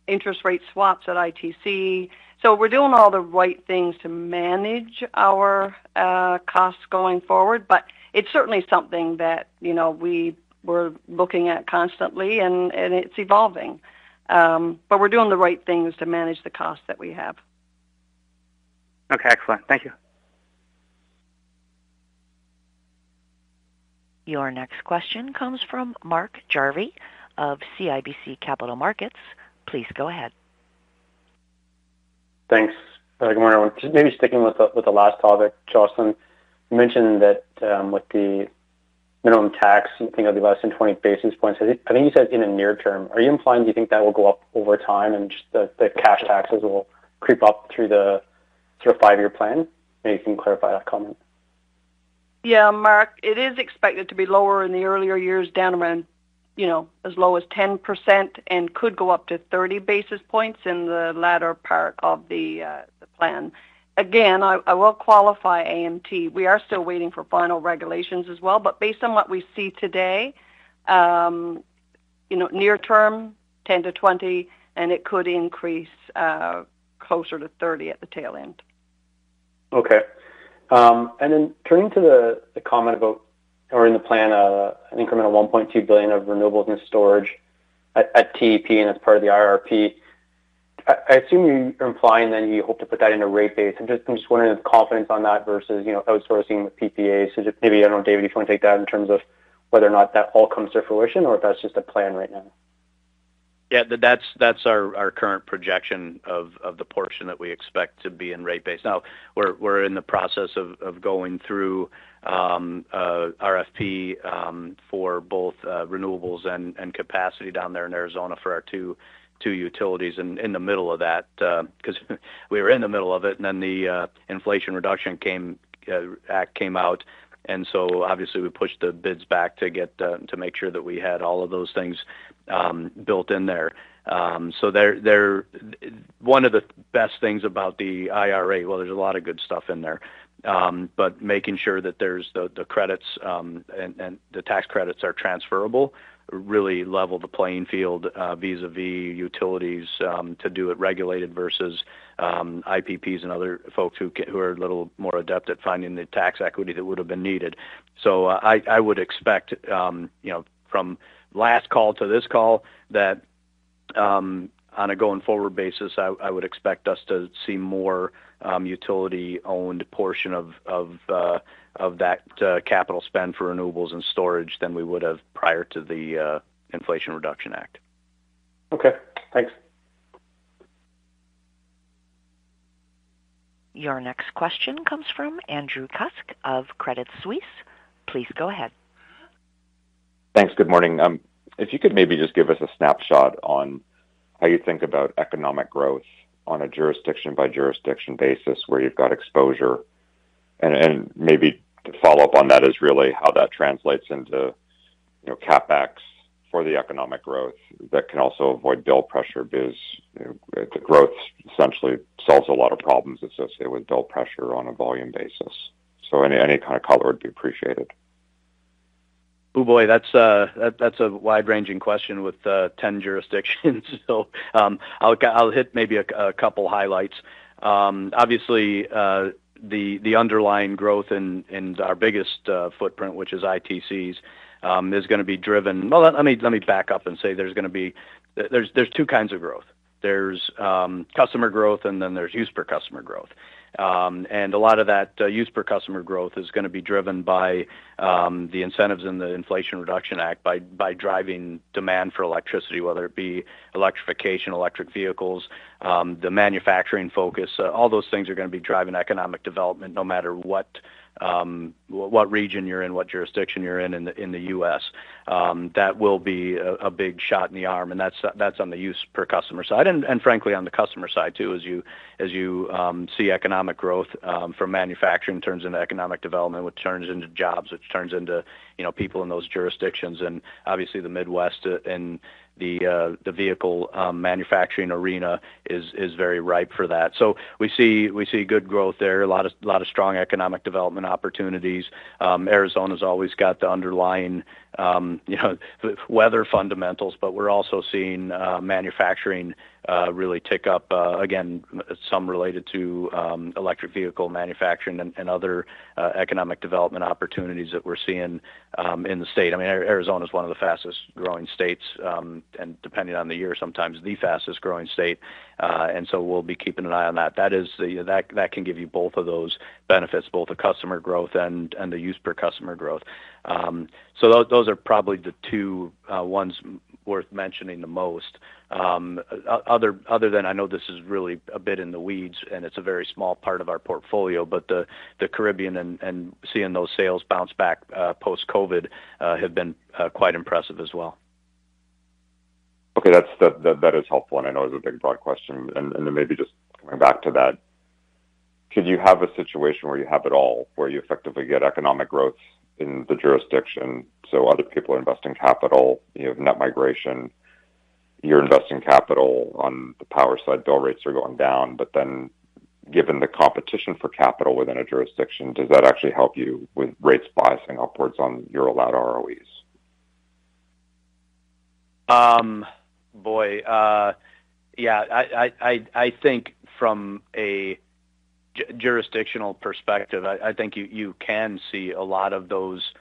interest rate swaps at ITC. We're doing all the right things to manage our costs going forward, but it's certainly something that you know we're looking at constantly and it's evolving. We're doing the right things to manage the costs that we have. Okay, excellent. Thank you. Your next question comes from Mark Jarvi of CIBC Capital Markets. Please go ahead. Thanks. Good morning. Just maybe sticking with the last topic. Jocelyn mentioned that, with the minimum tax, you think it'll be less than 20 basis points. I think you said in the near term. Are you implying do you think that will go up over time and just the cash taxes will creep up through a five-year plan? Maybe you can clarify that comment. Yeah, Mark. It is expected to be lower in the earlier years, down around, you know, as low as 10% and could go up to 30 basis points in the latter part of the plan. Again, I will qualify AMT. We are still waiting for final regulations as well. Based on what we see today, you know, near term, 10-20, and it could increase closer to 30 at the tail end. Okay. Turning to the comment about or in the plan, an incremental 1.2 billion of renewables and storage at TEP and as part of the IRP. I assume you're implying then you hope to put that into rate base. I'm just wondering the confidence on that versus, you know, outsourcing with PPAs. Just maybe, I don't know, David, if you want to take that in terms of whether or not that all comes to fruition or if that's just a plan right now. Yeah. That's our current projection of the portion that we expect to be in rate base. Now, we're in the process of going through RFP for both renewables and capacity down there in Arizona for our two utilities in the middle of that. 'Cause we were in the middle of it, and then the Inflation Reduction Act came out. Obviously we pushed the bids back to get to make sure that we had all of those things built in there. They're one of the best things about the IRA. Well, there's a lot of good stuff in there. Making sure that there's the credits and the tax credits are transferable really level the playing field vis-à-vis utilities to do it regulated versus IPPs and other folks who are a little more adept at finding the tax equity that would have been needed. I would expect, you know, from last call to this call that, on a going-forward basis, I would expect us to see more utility-owned portion of that capital spend for renewables and storage than we would have prior to the Inflation Reduction Act. Okay. Thanks. Your next question comes from Andrew Kuske of Credit Suisse. Please go ahead. Thanks. Good morning. If you could maybe just give us a snapshot on how you think about economic growth on a jurisdiction-by-jurisdiction basis where you've got exposure. Maybe to follow up on that is really how that translates into, you know, CapEx for the economic growth that can also avoid bill pressure because, you know, the growth essentially solves a lot of problems associated with bill pressure on a volume basis. Any kind of color would be appreciated. Oh, boy, that's a wide-ranging question with 10 jurisdictions. I'll hit maybe a couple highlights. Obviously, the underlying growth in our biggest footprint, which is ITC's, is gonna be driven. Let me back up and say there's gonna be. There's two kinds of growth. There's customer growth, and then there's use per customer growth. And a lot of that use per customer growth is gonna be driven by the incentives in the Inflation Reduction Act by driving demand for electricity, whether it be electrification, electric vehicles, the manufacturing focus. All those things are gonna be driving economic development no matter what region you're in, what jurisdiction you're in the U.S. That will be a big shot in the arm, and that's on the usage per customer side. And frankly, on the customer side, too, as you see economic growth from manufacturing turns into economic development, which turns into jobs, which turns into, you know, people in those jurisdictions. Obviously, the Midwest and the vehicle manufacturing arena is very ripe for that. We see good growth there, a lot of strong economic development opportunities. Arizona's always got the underlying, you know, weather fundamentals. We're also seeing manufacturing really tick up, again, some related to electric vehicle manufacturing and other economic development opportunities that we're seeing in the state. I mean, Arizona is one of the fastest-growing states, and depending on the year, sometimes the fastest-growing state. We'll be keeping an eye on that. That can give you both of those benefits, both the customer growth and the use per customer growth. Those are probably the two ones worth mentioning the most. Other than I know this is really a bit in the weeds, and it's a very small part of our portfolio. The Caribbean and seeing those sales bounce back post-COVID have been quite impressive as well. Okay. That's helpful, and I know it was a big, broad question. Maybe just coming back to that. Could you have a situation where you have it all, where you effectively get economic growth in the jurisdiction, so other people are investing capital, you have net migration, you're investing capital on the power side, bill rates are going down. Given the competition for capital within a jurisdiction, does that actually help you with rates biasing upwards on your allowed ROEs? Boy, yeah. I think from a jurisdictional perspective, I think you can see a lot of those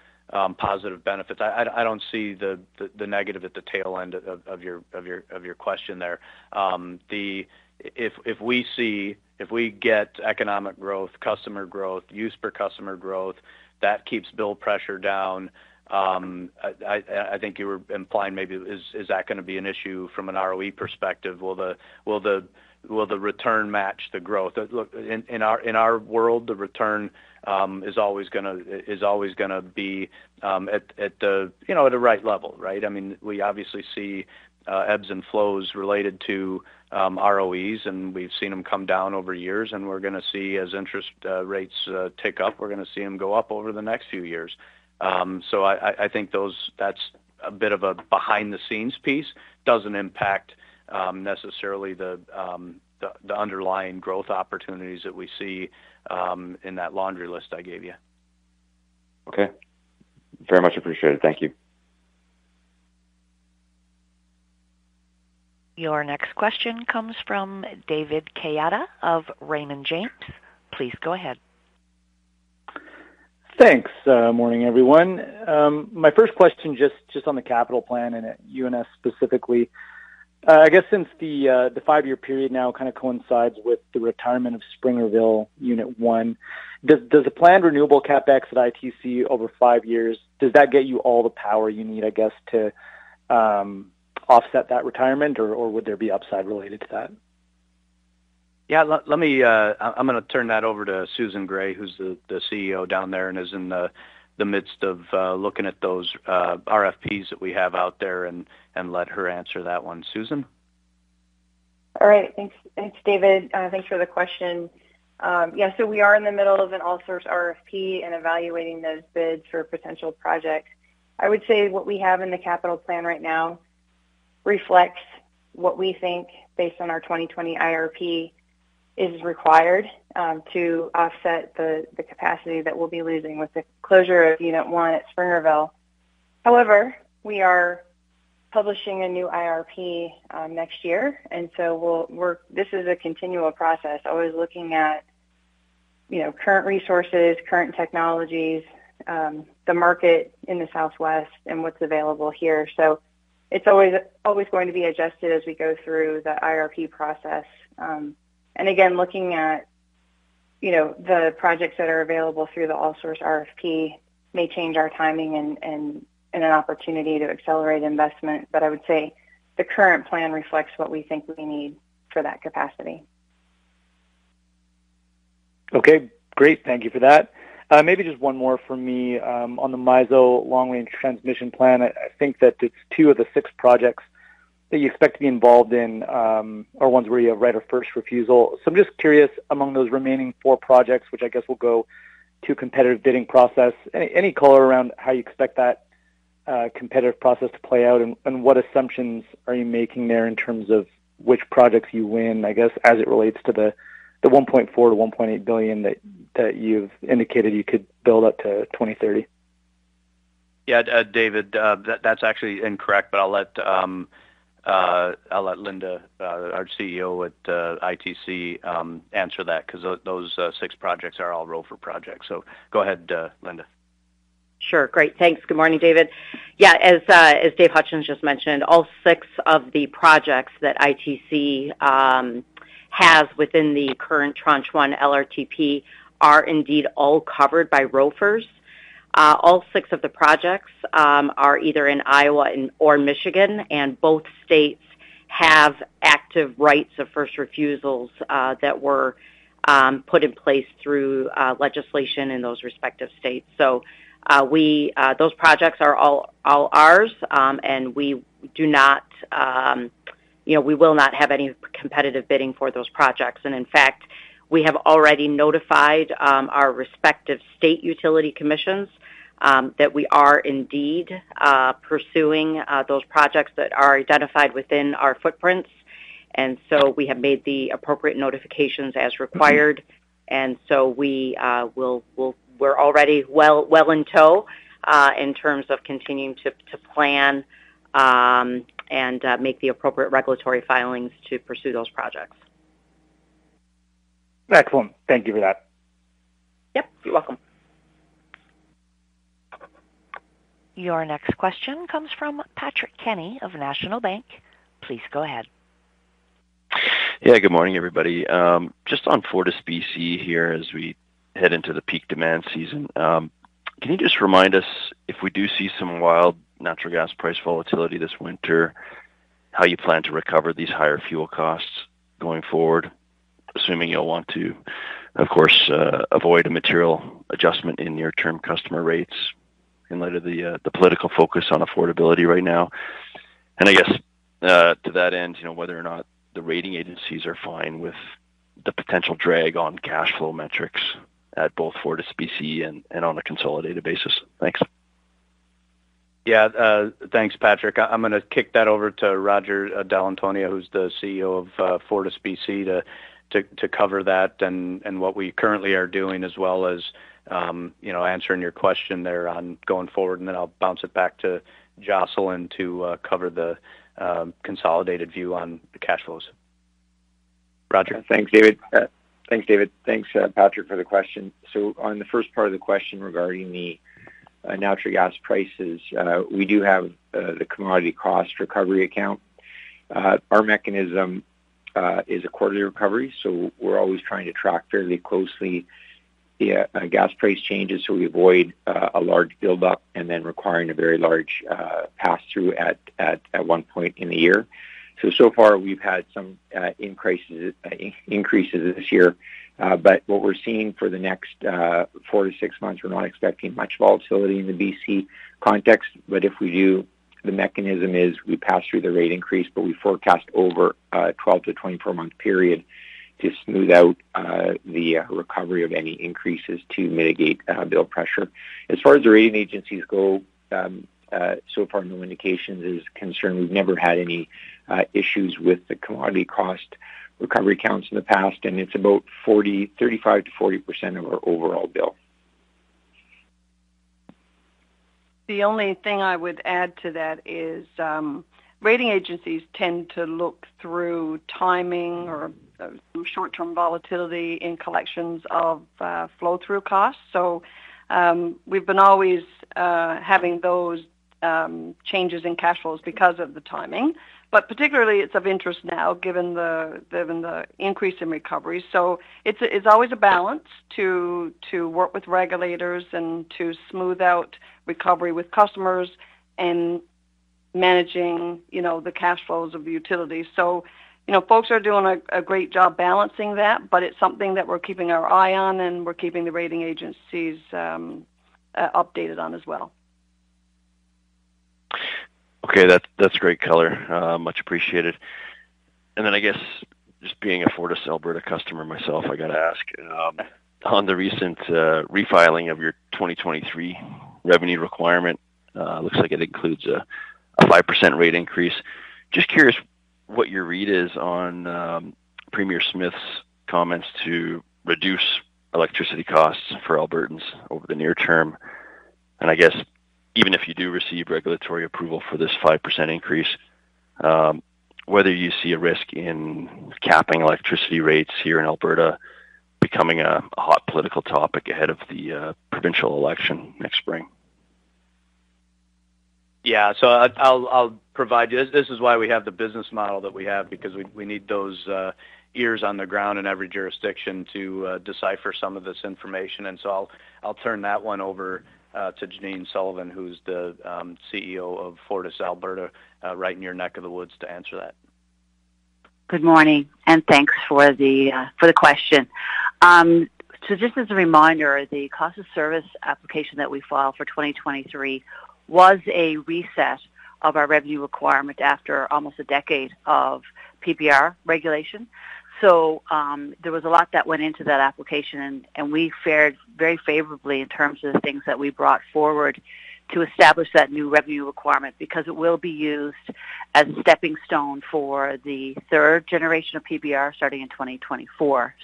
positive benefits. I don't see the negative at the tail end of your question there. If we get economic growth, customer growth, use per customer growth, that keeps bill pressure down. I think you were implying maybe, is that gonna be an issue from an ROE perspective? Will the return match the growth? Look, in our world, the return is always gonna be at the right level, right? I mean, we obviously see ebbs and flows related to ROEs, and we've seen them come down over years, and we're gonna see as interest rates tick up, we're gonna see them go up over the next few years. I think that's a bit of a behind-the-scenes piece. Doesn't impact necessarily the underlying growth opportunities that we see in that laundry list I gave you. Okay. Very much appreciated. Thank you. Your next question comes from David Quezada of Raymond James. Please go ahead. Thanks. Morning, everyone. My first question just on the capital plan and at UNS specifically. I guess since the five-year period now kind of coincides with the retirement of Springerville Unit 1, does the planned renewable CapEx at ITC over five years get you all the power you need, I guess, to offset that retirement, or would there be upside related to that? Yeah. Let me turn that over to Susan Gray, who's the CEO down there and is in the midst of looking at those RFPs that we have out there and let her answer that one. Susan? All right. Thanks. Thanks, David. Thanks for the question. Yeah, so we are in the middle of an all source RFP and evaluating those bids for potential projects. I would say what we have in the capital plan right now reflects what we think based on our 2020 IRP is required to offset the capacity that we'll be losing with the closure of Unit 1 at Springerville. However, we are publishing a new IRP next year, and this is a continual process, always looking at, you know, current resources, current technologies, the market in the Southwest and what's available here. It's always going to be adjusted as we go through the IRP process. Again, looking at, you know, the projects that are available through the all source RFP may change our timing and an opportunity to accelerate investment. I would say the current plan reflects what we think we need for that capacity. Okay, great. Thank you for that. Maybe just one more for me, on the MISO Long-Range Transmission Plan. I think that it's two of the six projects that you expect to be involved in, or ones where you have right of first refusal. I'm just curious, among those remaining four projects, which I guess will go to competitive bidding process, any color around how you expect that competitive process to play out, and what assumptions are you making there in terms of which projects you win, I guess, as it relates to the 1.4-1.8 billion that you've indicated you could build up to 2030? Yeah, David, that's actually incorrect, but I'll let Linda, our CEO at ITC, answer that 'cause those six projects are all ROFR projects. So go ahead, Linda. Sure. Great. Thanks. Good morning, David. Yeah, as Dave Hutchens just mentioned, all six of the projects that ITC has within the current tranche one LRTP are indeed all covered by ROFRs. All six of the projects are either in Iowa or Michigan, and both states have active rights of first refusals that were put in place through legislation in those respective states. Those projects are all ours, and we do not, you know, we will not have any competitive bidding for those projects. In fact, we have already notified our respective state utility commissions that we are indeed pursuing those projects that are identified within our footprints. We have made the appropriate notifications as required. We're already well into, in terms of, continuing to plan and make the appropriate regulatory filings to pursue those projects. Excellent. Thank you for that. Yep. You're welcome. Your next question comes from Patrick Kenny of National Bank. Please go ahead. Yeah, good morning, everybody. Just on FortisBC here as we head into the peak demand season. Can you just remind us if we do see some wild natural gas price volatility this winter, how you plan to recover these higher fuel costs going forward, assuming you'll want to, of course, avoid a material adjustment in near-term customer rates in light of the political focus on affordability right now? I guess, to that end, you know, whether or not the rating agencies are fine with the potential drag on cash flow metrics at both FortisBC and on a consolidated basis. Thanks. Yeah. Thanks, Patrick. I'm gonna kick that over to Roger Dall'Antonia, who's the CEO of FortisBC, to cover that and what we currently are doing, as well as, you know, answering your question there on going forward. Then I'll bounce it back to Jocelyn to cover the consolidated view on the cash flows. Roger. Thanks, David. Thanks, Patrick, for the question. On the first part of the question regarding the natural gas prices, we do have the Commodity Cost Recovery Account. Our mechanism is a quarterly recovery, we're always trying to track fairly closely the gas price changes so we avoid a large buildup and then requiring a very large pass-through at one point in the year. So far we've had some increases this year. What we're seeing for the next four to six months, we're not expecting much volatility in the BC context. If we do, the mechanism is we pass through the rate increase, but we forecast over a 12-24 month period to smooth out the recovery of any increases to mitigate bill pressure. As far as the rating agencies go, so far no indications is concerned. We've never had any issues with the commodity cost recovery accounts in the past, and it's about 35%-40% of our overall bill. The only thing I would add to that is, rating agencies tend to look through timing or through short-term volatility in collections of flow-through costs. We've been always having those changes in cash flows because of the timing. Particularly it's of interest now given the increase in recovery. It's always a balance to work with regulators and to smooth out recovery with customers and managing, you know, the cash flows of the utility. You know, folks are doing a great job balancing that, but it's something that we're keeping our eye on, and we're keeping the rating agencies updated on as well. Okay. That's great color. Much appreciated. I guess just being a FortisAlberta customer myself, I got to ask on the recent refiling of your 2023 revenue requirement, looks like it includes a 5% rate increase. Just curious what your read is on Premier Smith's comments to reduce electricity costs for Albertans over the near term. I guess even if you do receive regulatory approval for this 5% increase, whether you see a risk in capping electricity rates here in Alberta becoming a hot political topic ahead of the provincial election next spring. Yeah. I'll provide you. This is why we have the business model that we have because we need those ears on the ground in every jurisdiction to decipher some of this information. I'll turn that one over to Janine Sullivan, who's the CEO of FortisAlberta, right in your neck of the woods to answer that. Good morning, and thanks for the question. Just as a reminder, the cost of service application that we filed for 2023 was a reset of our revenue requirement after almost a decade of PBR regulation. There was a lot that went into that application and we fared very favorably in terms of the things that we brought forward to establish that new revenue requirement. Because it will be used as a stepping stone for the third generation of PBR starting in 2024.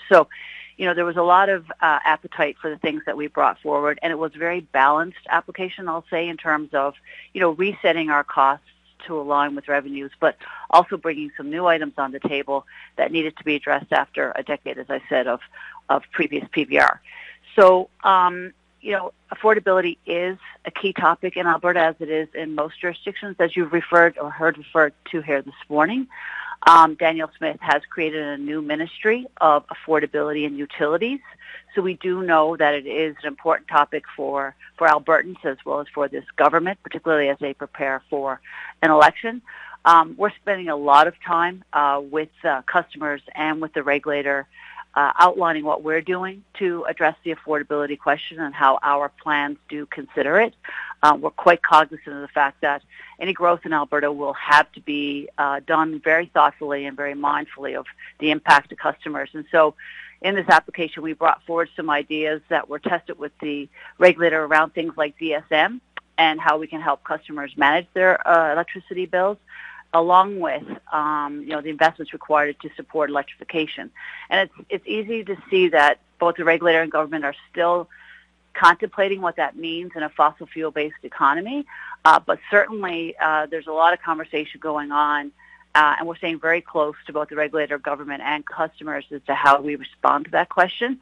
You know, there was a lot of appetite for the things that we brought forward, and it was very balanced application, I'll say, in terms of, you know, resetting our costs to align with revenues, but also bringing some new items on the table that needed to be addressed after a decade, as I said, of previous PBR. You know, affordability is a key topic in Alberta as it is in most jurisdictions, as you've referred or heard referred to here this morning. Danielle Smith has created a new Ministry of Affordability and Utilities. We do know that it is an important topic for Albertans as well as for this government, particularly as they prepare for an election. We're spending a lot of time with customers and with the regulator outlining what we're doing to address the affordability question and how our plans do consider it. We're quite cognizant of the fact that any growth in Alberta will have to be done very thoughtfully and very mindfully of the impact to customers. In this application, we brought forward some ideas that were tested with the regulator around things like DSM and how we can help customers manage their electricity bills along with, you know, the investments required to support electrification. It's easy to see that both the regulator and government are still contemplating what that means in a fossil fuel-based economy. Certainly, there's a lot of conversation going on, and we're staying very close to both the regulator, government, and customers as to how we respond to that question.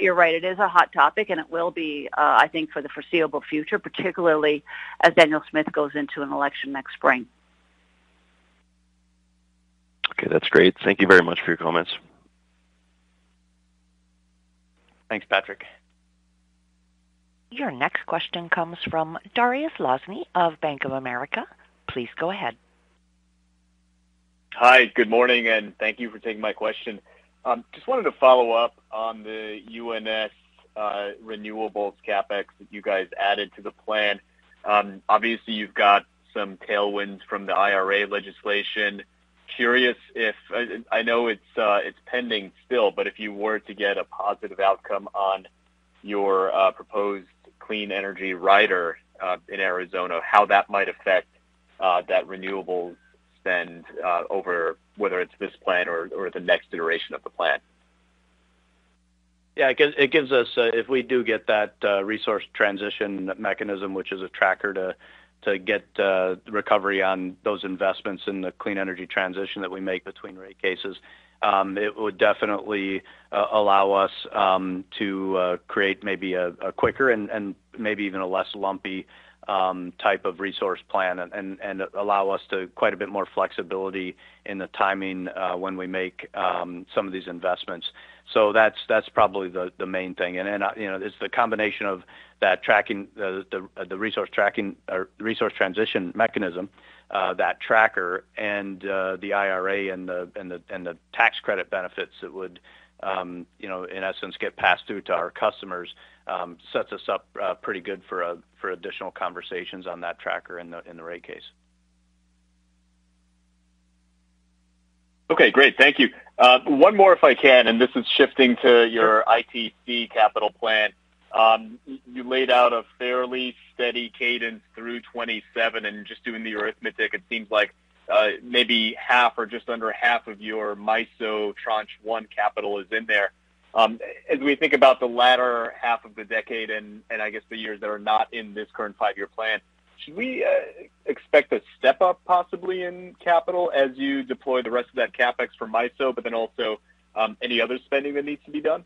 You're right, it is a hot topic, and it will be, I think, for the foreseeable future, particularly as Danielle Smith goes into an election next spring. Okay. That's great. Thank you very much for your comments. Thanks, Patrick. Your next question comes from Dariusz Lozny of Bank of America. Please go ahead. Hi. Good morning, and thank you for taking my question. Just wanted to follow up on the UNS renewables CapEx that you guys added to the plan. Obviously, you've got some tailwinds from the IRA legislation. Curious if I know it's pending still, but if you were to get a positive outcome on your proposed clean energy rider in Arizona, how that might affect that renewables spend over whether it's this plan or the next iteration of the plan. Yeah, it gives us if we do get that Resource Transition Mechanism, which is a tracker to get recovery on those investments in the clean energy transition that we make between rate cases, it would definitely allow us to create maybe a quicker and maybe even a less lumpy type of resource plan and allow us to quite a bit more flexibility in the timing when we make some of these investments. That's probably the main thing. You know, it's the combination of that tracking, the resource tracking or Resource Transition Mechanism, that tracker and the IRA and the tax credit benefits that would, you know, in essence, get passed through to our customers, sets us up pretty good for additional conversations on that tracker in the rate case. Okay, great. Thank you. One more, if I can, and this is shifting to your ITC capital plan. You laid out a fairly steady cadence through 2027, and just doing the arithmetic, it seems like maybe half or just under half of your MISO tranche one capital is in there. As we think about the latter half of the decade and I guess the years that are not in this current five-year plan, should we expect a step up possibly in capital as you deploy the rest of that CapEx from MISO, but then also any other spending that needs to be done?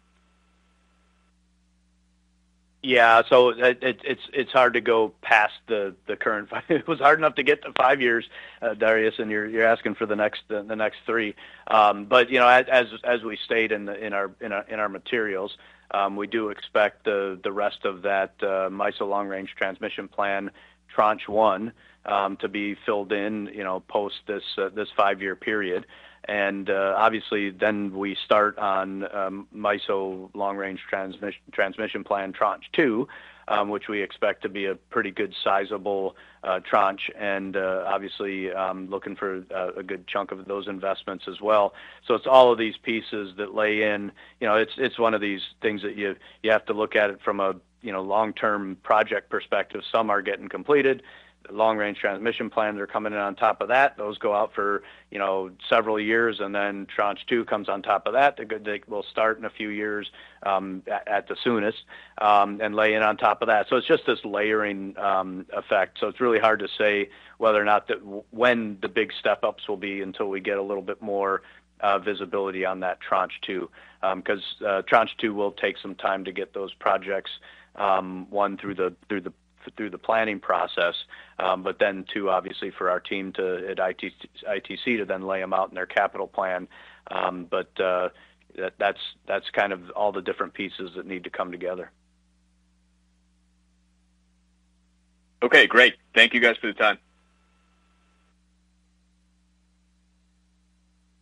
Yeah. So it's hard to go past the current five. It was hard enough to get to five years, Dariusz, and you're asking for the next three. You know, as we stated in our materials, we do expect the rest of that MISO Long-Range Transmission Plan tranche one to be filled in, you know, post this five-year period. Obviously, then we start on MISO Long-Range Transmission Plan tranche two, which we expect to be a pretty good sizable tranche, and obviously looking for a good chunk of those investments as well. It's all of these pieces that line up. You know, it's one of these things that you have to look at it from a, you know, long-term project perspective. Some are getting completed. Long-range transmission plans are coming in on top of that. Those go out for, you know, several years, and then tranche two comes on top of that. They will start in a few years, at the soonest, and lay in on top of that. It's just this layering effect. It's really hard to say whether or not, when the big step-ups will be until we get a little bit more visibility on that tranche two, 'cause tranche two will take some time to get those projects one through the planning process, but then two, obviously for our team at ITC to then lay them out in their capital plan. That's kind of all the different pieces that need to come together. Okay, great. Thank you guys for the time.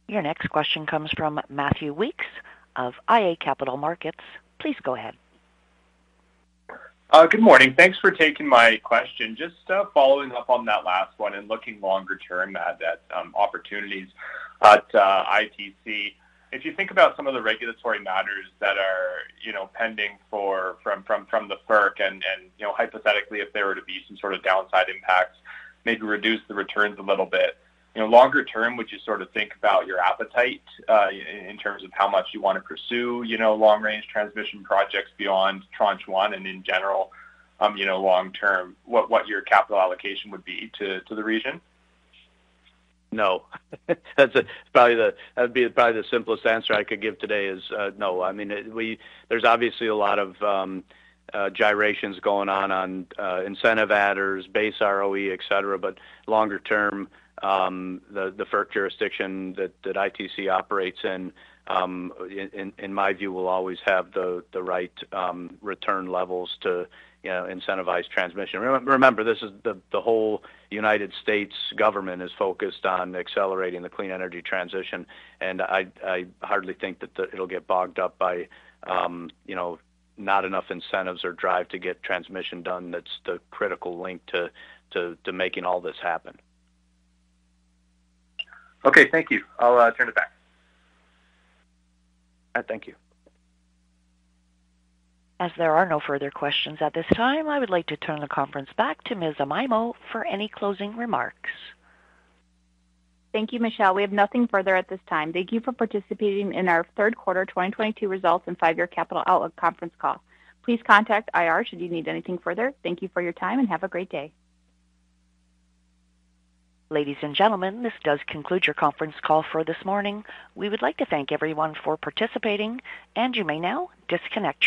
Your next question comes from Matthew Weekes of iA Capital Markets. Please go ahead. Good morning. Thanks for taking my question. Just following up on that last one and looking longer term at opportunities at ITC. If you think about some of the regulatory matters that are, you know, pending from the FERC and, you know, hypothetically, if there were to be some sort of downside impacts, maybe reduce the returns a little bit. You know, longer term, would you sort of think about your appetite in terms of how much you want to pursue, you know, long-range transmission projects beyond tranche one and in general, you know, long term, what your capital allocation would be to the region? No. That's probably the simplest answer I could give today is, no. I mean, there's obviously a lot of gyrations going on incentive adders, base ROE, etc. But longer term, the FERC jurisdiction that ITC operates in my view, will always have the right return levels to, you know, incentivize transmission. Remember, this is the whole United States government is focused on accelerating the clean energy transition. I hardly think that it'll get bogged up by, you know, not enough incentives or drive to get transmission done. That's the critical link to making all this happen. Okay, thank you. I'll turn it back. All right. Thank you. As there are no further questions at this time, I would like to turn the conference back to Ms. Amaimo for any closing remarks. Thank you, Michelle. We have nothing further at this time. Thank you for participating in our Third Quarter 2022 Results and Five-Year Capital Outlook Conference Call. Please contact IR should you need anything further. Thank you for your time, and have a great day. Ladies and gentlemen, this does conclude your conference call for this morning. We would like to thank everyone for participating, and you may now disconnect your lines.